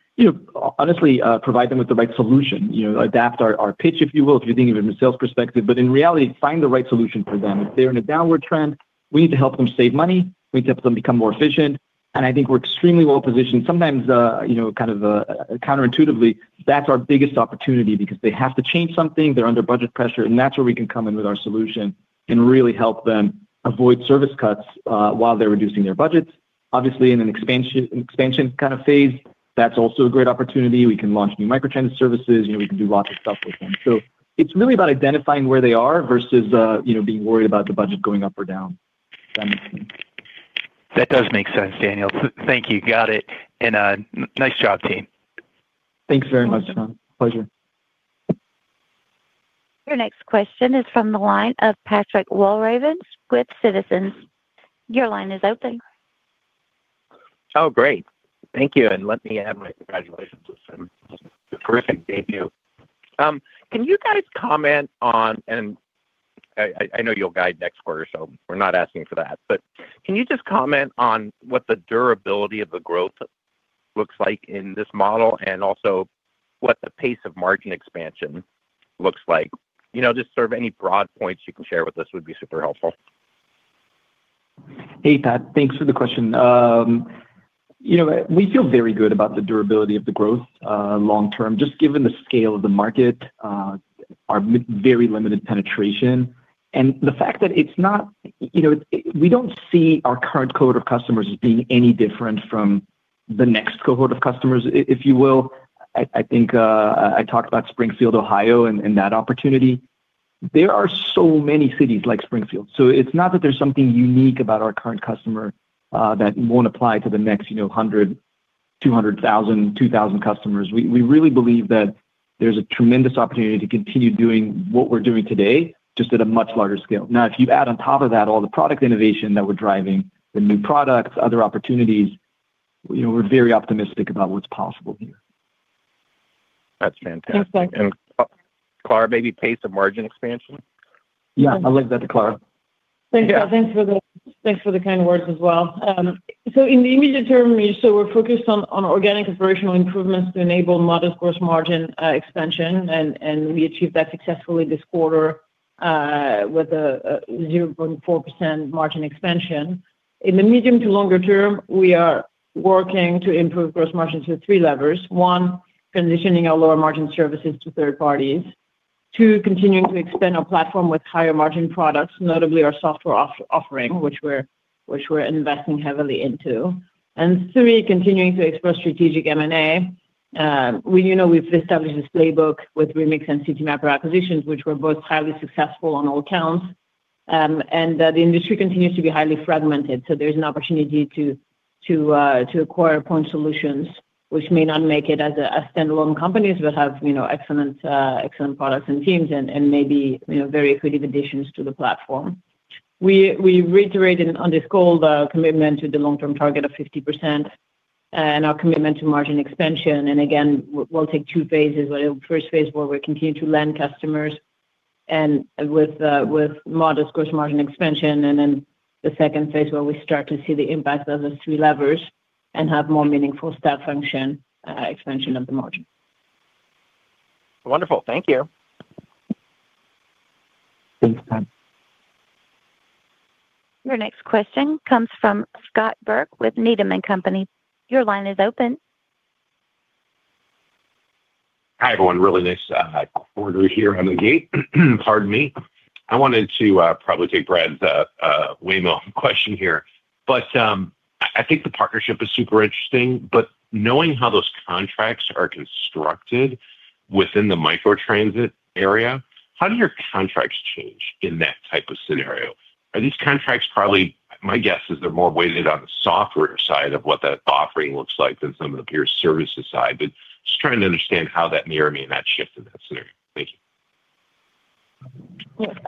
honestly provide them with the right solution, adapt our pitch, if you will, if you are thinking from a sales perspective, but in reality, find the right solution for them. If they are in a downward trend, we need to help them save money. We need to help them become more efficient. I think we are extremely well-positioned. Sometimes, kind of counterintuitively, that's our biggest opportunity because they have to change something. They're under budget pressure, and that's where we can come in with our solution and really help them avoid service cuts while they're reducing their budgets. Obviously, in an expansion kind of phase, that's also a great opportunity. We can launch new microtransit services. We can do lots of stuff with them. It's really about identifying where they are versus being worried about the budget going up or down. That makes sense? That does make sense, Daniel. Thank you. Got it. And nice job, team. Thanks very much, John. Pleasure. Your next question is from the line of Patrick Walravens with Citizens. Your line is open. Oh, great. Thank you. Let me have my congratulations with him. Terrific debut. Can you guys comment on, and I know you'll guide next quarter, so we're not asking for that, but can you just comment on what the durability of the growth looks like in this model and also what the pace of margin expansion looks like? Just sort of any broad points you can share with us would be super helpful. Hey, Pat, thanks for the question. We feel very good about the durability of the growth long-term, just given the scale of the market, our very limited penetration, and the fact that it's not we don't see our current cohort of customers as being any different from the next cohort of customers, if you will. I think I talked about Springfield, Ohio, and that opportunity. There are so many cities like Springfield. It is not that there is something unique about our current customer that will not apply to the next 100, 200,000, 2,000 customers. We really believe that there is a tremendous opportunity to continue doing what we are doing today just at a much larger scale. Now, if you add on top of that all the product innovation that we are driving, the new products, other opportunities, we are very optimistic about what is possible here. That is fantastic. And Clara, maybe pace of margin expansion? Yeah. I will leave that to Clara. Thanks. Thanks for the kind words as well. In the immediate term, we are focused on organic operational improvements to enable modest gross margin expansion, and we achieved that successfully this quarter with a 0.4% margin expansion. In the medium to longer term, we are working to improve gross margins to three levels. One, transitioning our lower margin services to third parties. Two, continuing to expand our platform with higher margin products, notably our software offering, which we're investing heavily into. Three, continuing to express strategic M&A. We've established a playbook with Remix and Citymapper acquisitions, which were both highly successful on all counts. The industry continues to be highly fragmented, so there's an opportunity to acquire point solutions, which may not make it as a standalone company, but have excellent products and teams and maybe very creative additions to the platform. We reiterated on this goal the commitment to the long-term target of 50% and our commitment to margin expansion. Again, we'll take two phases, but the first phase where we continue to land customers with modest gross margin expansion, and then the second phase where we start to see the impact of the three levers and have more meaningful staff function expansion of the margin. Wonderful. Thank you. Thanks, Pat. Your next question comes from Scott Berg with Needham & Company. Your line is open. Hi, everyone. Really nice quarter here on the gate. Pardon me. I wanted to probably take Brad's Waymo question here. I think the partnership is super interesting. Knowing how those contracts are constructed within the microtransit area, how do your contracts change in that type of scenario? Are these contracts probably, my guess is they're more weighted on the software side of what that offering looks like than some of the peer services side. Just trying to understand how that may or may not shift in that scenario. Thank you.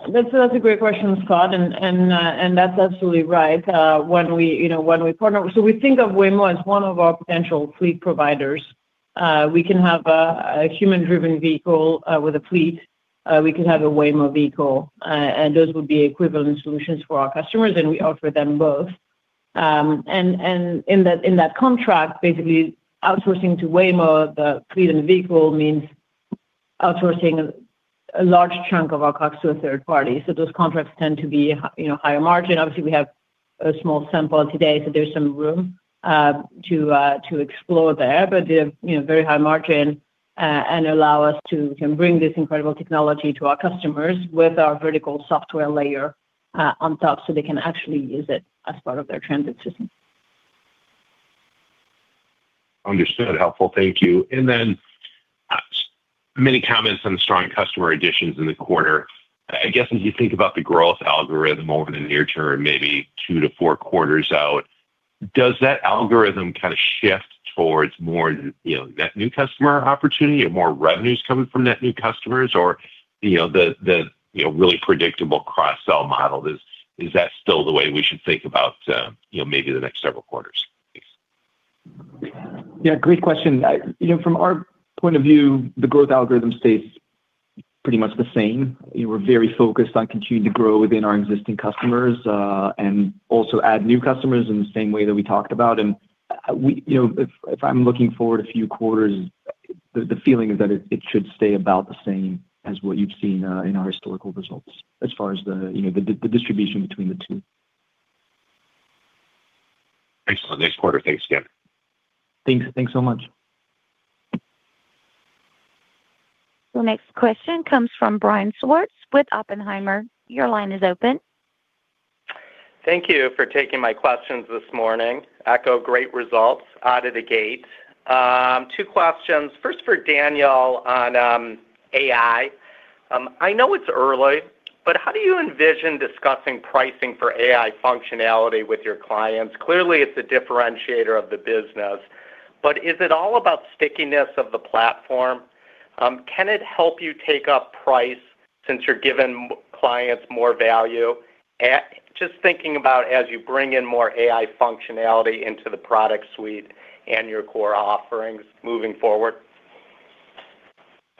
That's a great question, Scott. That's absolutely right. When we partner, we think of Waymo as one of our potential fleet providers. We can have a human-driven vehicle with a fleet. We could have a Waymo vehicle, and those would be equivalent solutions for our customers, and we offer them both. In that contract, basically outsourcing to Waymo, the fleet and vehicle means outsourcing a large chunk of our cost to a third party. Those contracts tend to be higher margin. Obviously, we have a small sample today, so there's some room to explore there, but they're very high margin and allow us to bring this incredible technology to our customers with our vertical software layer on top so they can actually use it as part of their transit system. Understood. Helpful. Thank you. Then many comments on strong customer additions in the quarter. I guess as you think about the growth algorithm over the near term, maybe two to four quarters out, does that algorithm kind of shift towards more net new customer opportunity or more revenues coming from net new customers or the really predictable cross-sell model? Is that still the way we should think about maybe the next several quarters? Yeah. Great question. From our point of view, the growth algorithm stays pretty much the same. We're very focused on continuing to grow within our existing customers and also add new customers in the same way that we talked about. If I'm looking forward a few quarters, the feeling is that it should stay about the same as what you've seen in our historical results as far as the distribution between the two. Excellent. Thanks, Porter. Thanks again. Thanks. Thanks so much. Your next question comes from Brian Schwartz with Oppenheimer. Your line is open. Thank you for taking my questions this morning. Echo great results out of the gate. Two questions. First, for Daniel on AI. I know it's early, but how do you envision discussing pricing for AI functionality with your clients? Clearly, it's a differentiator of the business, but is it all about stickiness of the platform? Can it help you take up price since you're giving clients more value? Just thinking about as you bring in more AI functionality into the product suite and your core offerings moving forward.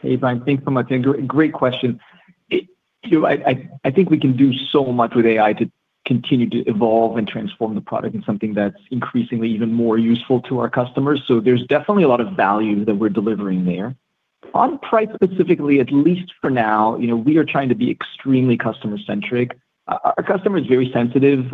Hey, Brian. Thanks so much. Great question. I think we can do so much with AI to continue to evolve and transform the product into something that's increasingly even more useful to our customers. There's definitely a lot of value that we're delivering there. On price specifically, at least for now, we are trying to be extremely customer-centric. Our customer is very sensitive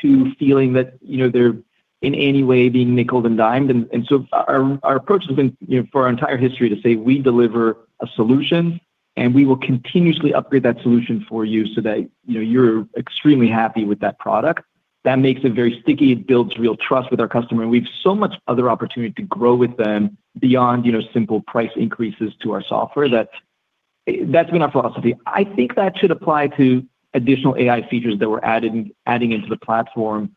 to feeling that they're in any way being nickeled and dimed. Our approach has been for our entire history to say we deliver a solution, and we will continuously upgrade that solution for you so that you're extremely happy with that product. That makes it very sticky. It builds real trust with our customer. We have so much other opportunity to grow with them beyond simple price increases to our software that that's been our philosophy. I think that should apply to additional AI features that we're adding into the platform,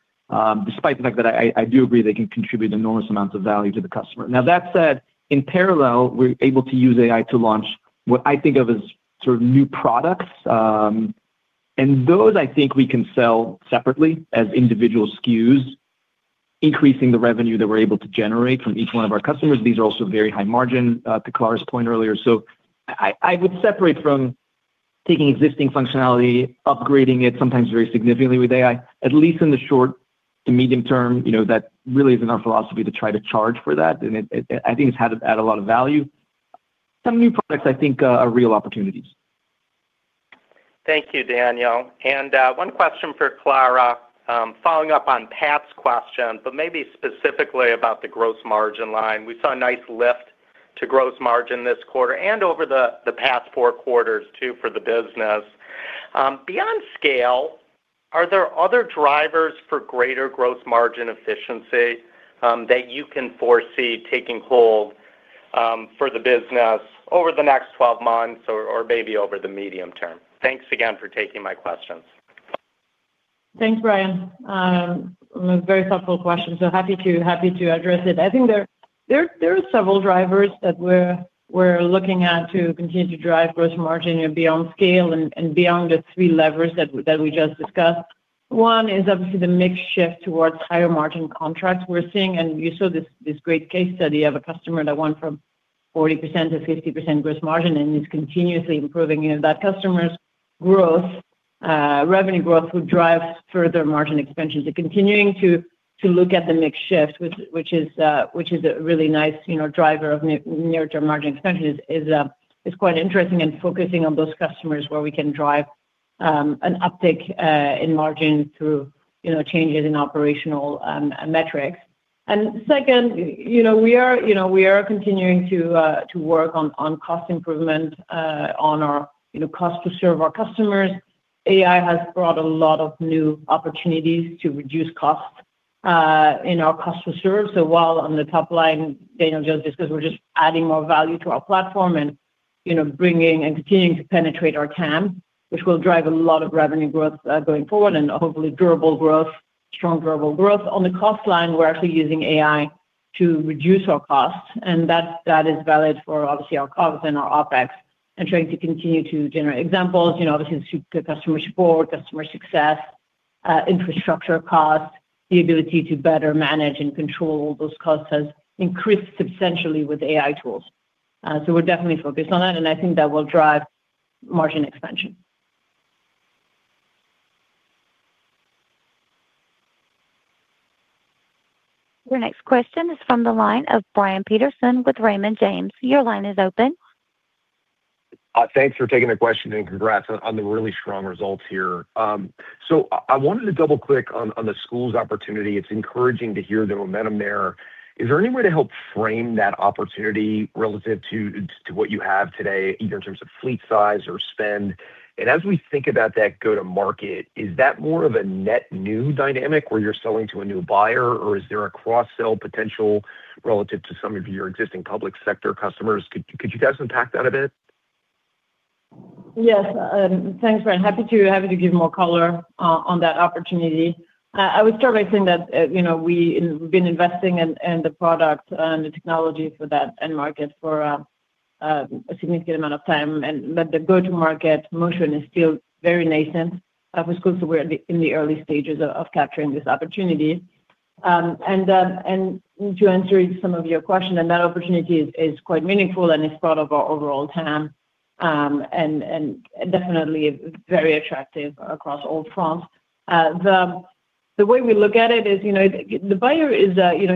despite the fact that I do agree they can contribute enormous amounts of value to the customer. Now, that said, in parallel, we're able to use AI to launch what I think of as sort of new products. And those, I think we can sell separately as individual SKUs, increasing the revenue that we're able to generate from each one of our customers. These are also very high margin, to Clara's point earlier. I would separate from taking existing functionality, upgrading it, sometimes very significantly with AI, at least in the short to medium term, that really isn't our philosophy to try to charge for that. I think it's had a lot of value. Some new products, I think, are real opportunities. Thank you, Daniel. One question for Clara, following up on Pat's question, but maybe specifically about the gross margin line. We saw a nice lift to gross margin this quarter and over the past four quarters, too, for the business. Beyond scale, are there other drivers for greater gross margin efficiency that you can foresee taking hold for the business over the next 12 months or maybe over the medium term? Thanks again for taking my questions. Thanks, Brian. Very thoughtful question. So happy to address it. I think there are several drivers that we're looking at to continue to drive gross margin beyond scale and beyond the three levers that we just discussed. One is obviously the mix shift towards higher margin contracts we're seeing. And you saw this great case study of a customer that went from 40% to 50% gross margin and is continuously improving. That customer's revenue growth would drive further margin expansion. Continuing to look at the mixed shift, which is a really nice driver of near-term margin expansion, is quite interesting and focusing on those customers where we can drive an uptick in margin through changes in operational metrics. Second, we are continuing to work on cost improvement on our cost to serve our customers. AI has brought a lot of new opportunities to reduce costs in our cost to serve. While on the top line, Daniel just discussed, we're just adding more value to our platform and bringing and continuing to penetrate our TAM, which will drive a lot of revenue growth going forward and hopefully durable growth, strong durable growth. On the cost line, we're actually using AI to reduce our costs. That is valid for obviously our costs and our OpEx and trying to continue to generate examples, obviously customer support, customer success, infrastructure costs, the ability to better manage and control those costs has increased substantially with AI tools. We are definitely focused on that, and I think that will drive margin expansion. Your next question is from the line of Brian Peterson with Raymond James. Your line is open. Thanks for taking the question and congrats on the really strong results here. I wanted to double-click on the schools opportunity. It is encouraging to hear the momentum there. Is there any way to help frame that opportunity relative to what you have today, either in terms of fleet size or spend? As we think about that go-to-market, is that more of a net new dynamic where you're selling to a new buyer, or is there a cross-sell potential relative to some of your existing public sector customers? Could you guys unpack that a bit? Yes. Thanks, Brian. Happy to give more color on that opportunity. I would start by saying that we've been investing in the product and the technology for that end market for a significant amount of time, and the go-to-market motion is still very nascent for schools. We're in the early stages of capturing this opportunity. To answer some of your question, that opportunity is quite meaningful and is part of our overall TAM and definitely very attractive across all fronts. The way we look at it is the buyer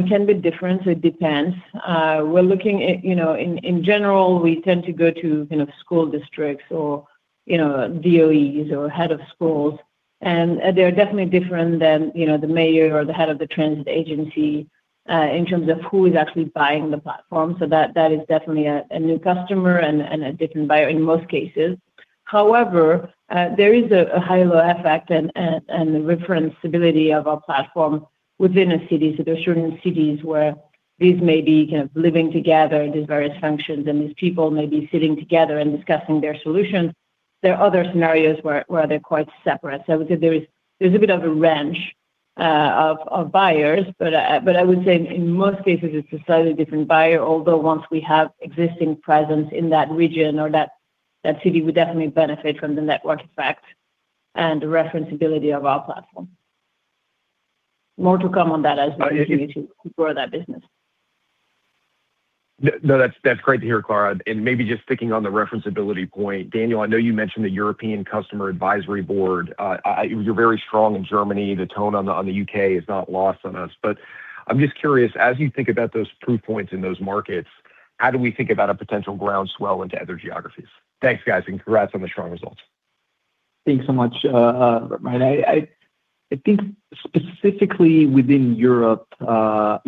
can be different. It depends. We're looking at, in general, we tend to go to school districts or DOEs or head of schools. They are definitely different than the mayor or the head of the transit agency in terms of who is actually buying the platform. That is definitely a new customer and a different buyer in most cases. However, there is a high-load effect and the reference stability of our platform within a city. There are certain cities where these may be kind of living together, these various functions, and these people may be sitting together and discussing their solutions. There are other scenarios where they're quite separate. I would say there's a bit of a range of buyers, but I would say in most cases, it's a slightly different buyer, although once we have existing presence in that region or that city, we definitely benefit from the network effect and the reference ability of our platform. More to come on that as we continue to grow that business. No, that's great to hear, Clara. Maybe just sticking on the reference ability point, Daniel, I know you mentioned the European Customer Advisory Board. You're very strong in Germany. The tone on the U.K. is not lost on us. I'm just curious, as you think about those proof points in those markets, how do we think about a potential groundswell into other geographies? Thanks, guys, and congrats on the strong results. Thanks so much, Brian. I think specifically within Europe,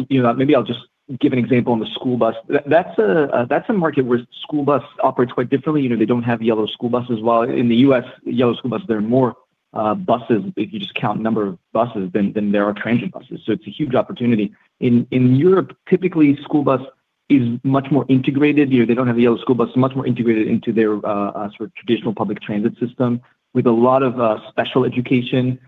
maybe I'll just give an example on the school bus. That's a market where school bus operates quite differently. They don't have yellow school buses while in the U.S., yellow school buses, there are more buses if you just count the number of buses than there are transit buses. So it's a huge opportunity. In Europe, typically, school bus is much more integrated. They don't have the yellow school bus, much more integrated into their sort of traditional public transit system with a lot of special education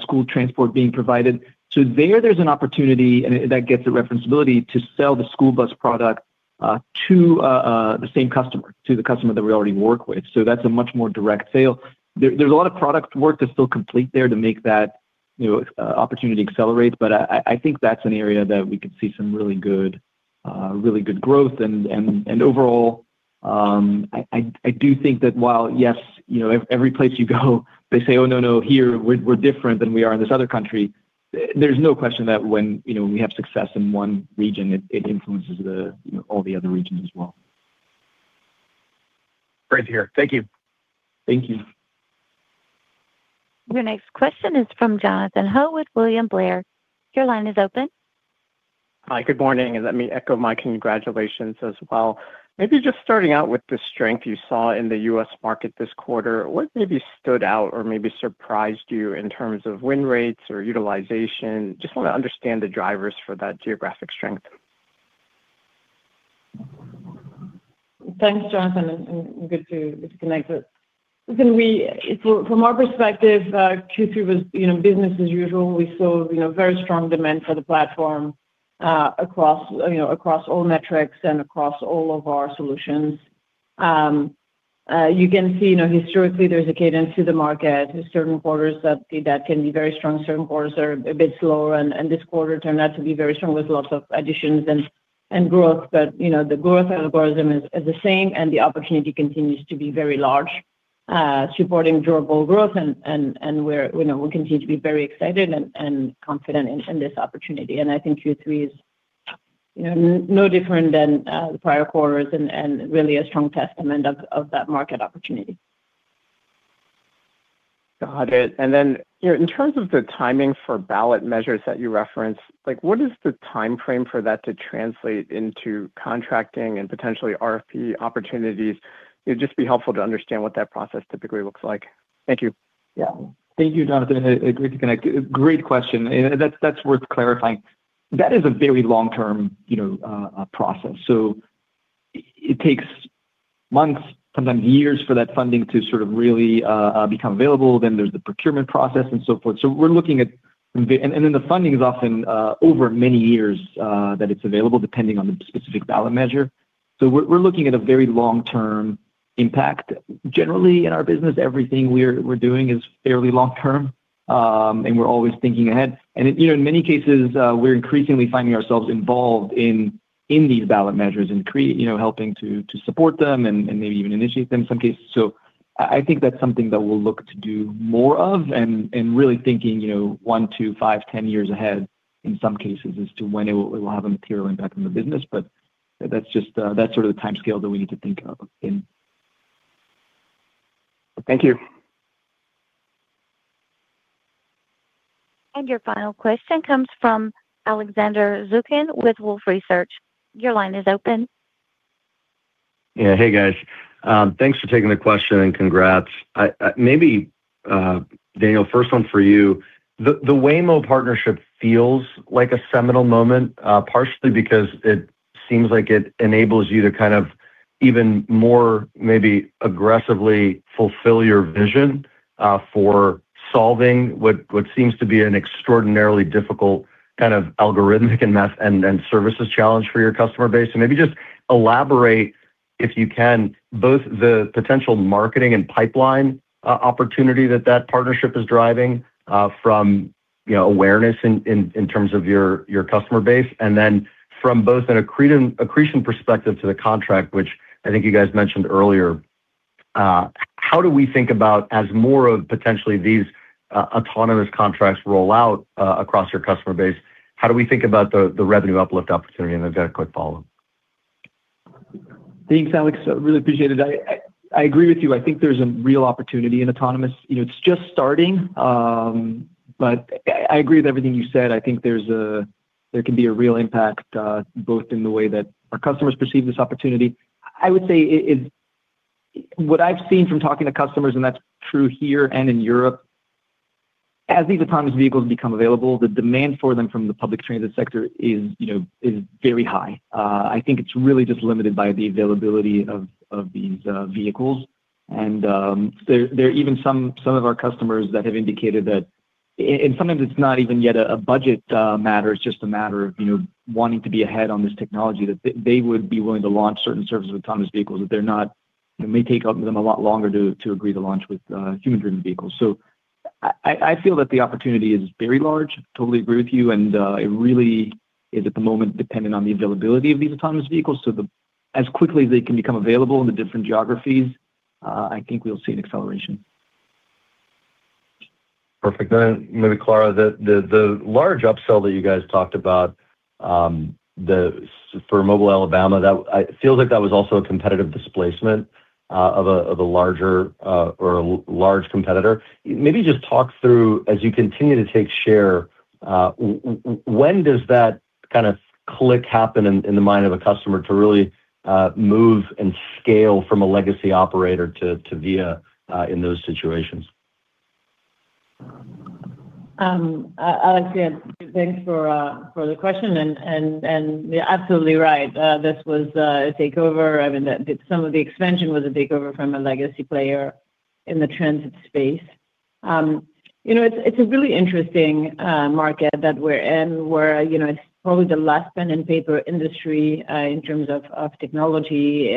school transport being provided. There there's an opportunity, and that gets the reference ability to sell the school bus product to the same customer, to the customer that we already work with. That's a much more direct sale. There's a lot of product work that's still complete there to make that opportunity accelerate. I think that's an area that we could see some really good growth. Overall, I do think that while, yes, every place you go, they say, "Oh, no, no, here, we're different than we are in this other country." There's no question that when we have success in one region, it influences all the other regions as well. Great to hear. Thank you. Thank you. Your next question is from Jonathan Ho with William Blair. Your line is open. Hi. Good morning. Let me echo my congratulations as well. Maybe just starting out with the strength you saw in the US market this quarter, what maybe stood out or maybe surprised you in terms of win rates or utilization? Just want to understand the drivers for that geographic strength. Thanks, Jonathan. Good to connect with. From our perspective, Q3 was business as usual. We saw very strong demand for the platform across all metrics and across all of our solutions. You can see historically there is a cadence to the market. There are certain quarters that can be very strong, certain quarters are a bit slower, and this quarter turned out to be very strong with lots of additions and growth. The growth algorithm is the same, and the opportunity continues to be very large, supporting durable growth. We continue to be very excited and confident in this opportunity. I think Q3 is no different than the prior quarters and really a strong testament of that market opportunity. Got it. In terms of the timing for ballot measures that you referenced, what is the timeframe for that to translate into contracting and potentially RFP opportunities? It would just be helpful to understand what that process typically looks like. Thank you. Yeah. Thank you, Jonathan. Great to connect. Great question. That is worth clarifying. That is a very long-term process. It takes months, sometimes years, for that funding to really become available. There is the procurement process and so forth. We are looking at, and then the funding is often over many years that it is available, depending on the specific ballot measure. We are looking at a very long-term impact. Generally, in our business, everything we are doing is fairly long-term, and we are always thinking ahead. In many cases, we are increasingly finding ourselves involved in these ballot measures and helping to support them and maybe even initiate them in some cases. I think that is something that we will look to do more of and really thinking 1, 2, 5, 10 years ahead in some cases as to when it will have a material impact on the business. That's sort of the timescale that we need to think of. Thank you. Your final question comes from Alexander Zukin with Wolfe Research. Your line is open. Yeah. Hey, guys. Thanks for taking the question and congrats. Maybe, Daniel, first one for you. The Waymo partnership feels like a seminal moment, partially because it seems like it enables you to kind of even more maybe aggressively fulfill your vision for solving what seems to be an extraordinarily difficult kind of algorithmic and services challenge for your customer base. Maybe just elaborate, if you can, both the potential marketing and pipeline opportunity that that partnership is driving from awareness in terms of your customer base, and then from both an accretion perspective to the contract, which I think you guys mentioned earlier. How do we think about as more of potentially these autonomous contracts roll out across your customer base? How do we think about the revenue uplift opportunity? And then we've got a quick follow-up. Thanks, Alex. Really appreciate it. I agree with you. I think there's a real opportunity in autonomous. It's just starting, but I agree with everything you said. I think there can be a real impact both in the way that our customers perceive this opportunity. I would say what I've seen from talking to customers, and that's true here and in Europe, as these autonomous vehicles become available, the demand for them from the public transit sector is very high. I think it's really just limited by the availability of these vehicles. There are even some of our customers that have indicated that, and sometimes it's not even yet a budget matter. It's just a matter of wanting to be ahead on this technology, that they would be willing to launch certain services with autonomous vehicles that may take them a lot longer to agree to launch with human-driven vehicles. I feel that the opportunity is very large. Totally agree with you. It really is at the moment dependent on the availability of these autonomous vehicles. As quickly as they can become available in the different geographies, I think we'll see an acceleration. Perfect. Maybe, Clara, the large upsell that you guys talked about for Mobile, Alabama, it feels like that was also a competitive displacement of a larger or a large competitor. Maybe just talk through, as you continue to take share, when does that kind of click happen in the mind of a customer to really move and scale from a legacy operator to Via in those situations? Alex, again, thanks for the question. You're absolutely right. This was a takeover. I mean, some of the expansion was a takeover from a legacy player in the transit space. It's a really interesting market that we're in. It's probably the last pen and paper industry in terms of technology.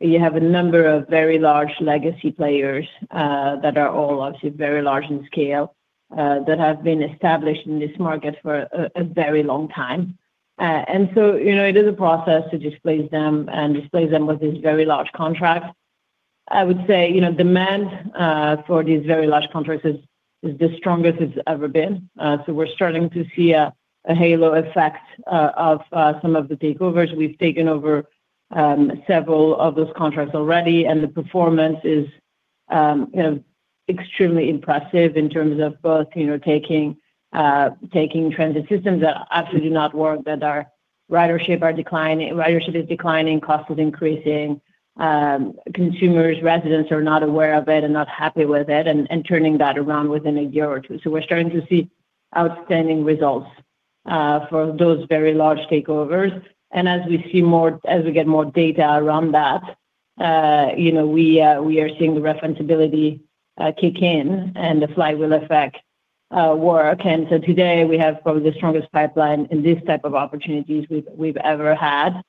You have a number of very large legacy players that are all obviously very large in scale that have been established in this market for a very long time. It is a process to displace them and displace them with these very large contracts. I would say demand for these very large contracts is the strongest it's ever been. We're starting to see a halo effect of some of the takeovers. We've taken over several of those contracts already, and the performance is extremely impressive in terms of both taking transit systems that absolutely do not work, that our ridership is declining, cost is increasing, consumers, residents are not aware of it and not happy with it, and turning that around within a year or two. We're starting to see outstanding results for those very large takeovers. As we see more, as we get more data around that, we are seeing the reference ability kick in and the flywheel effect work. Today, we have probably the strongest pipeline in this type of opportunities we've ever had.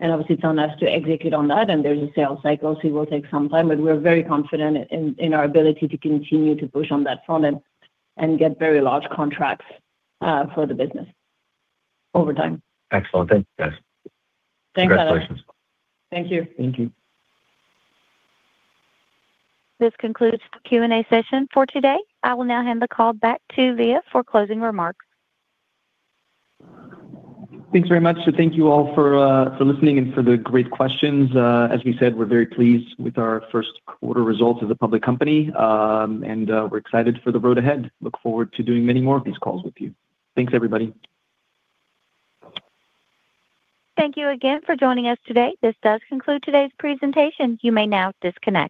Obviously, it's on us to execute on that. There's a sales cycle, so it will take some time. But we're very confident in our ability to continue to push on that front and get very large contracts for the business over time. Excellent. Thank you, guys. Thanks, Alex. Congratulations. Thank you. Thank you. This concludes the Q&A session for today. I will now hand the call back to Via for closing remarks. Thanks very much. Thank you all for listening and for the great questions. As we said, we're very pleased with our first quarter results as a public company. We're excited for the road ahead. Look forward to doing many more of these calls with you. Thanks, everybody. Thank you again for joining us today. This does conclude today's presentation. You may now disconnect.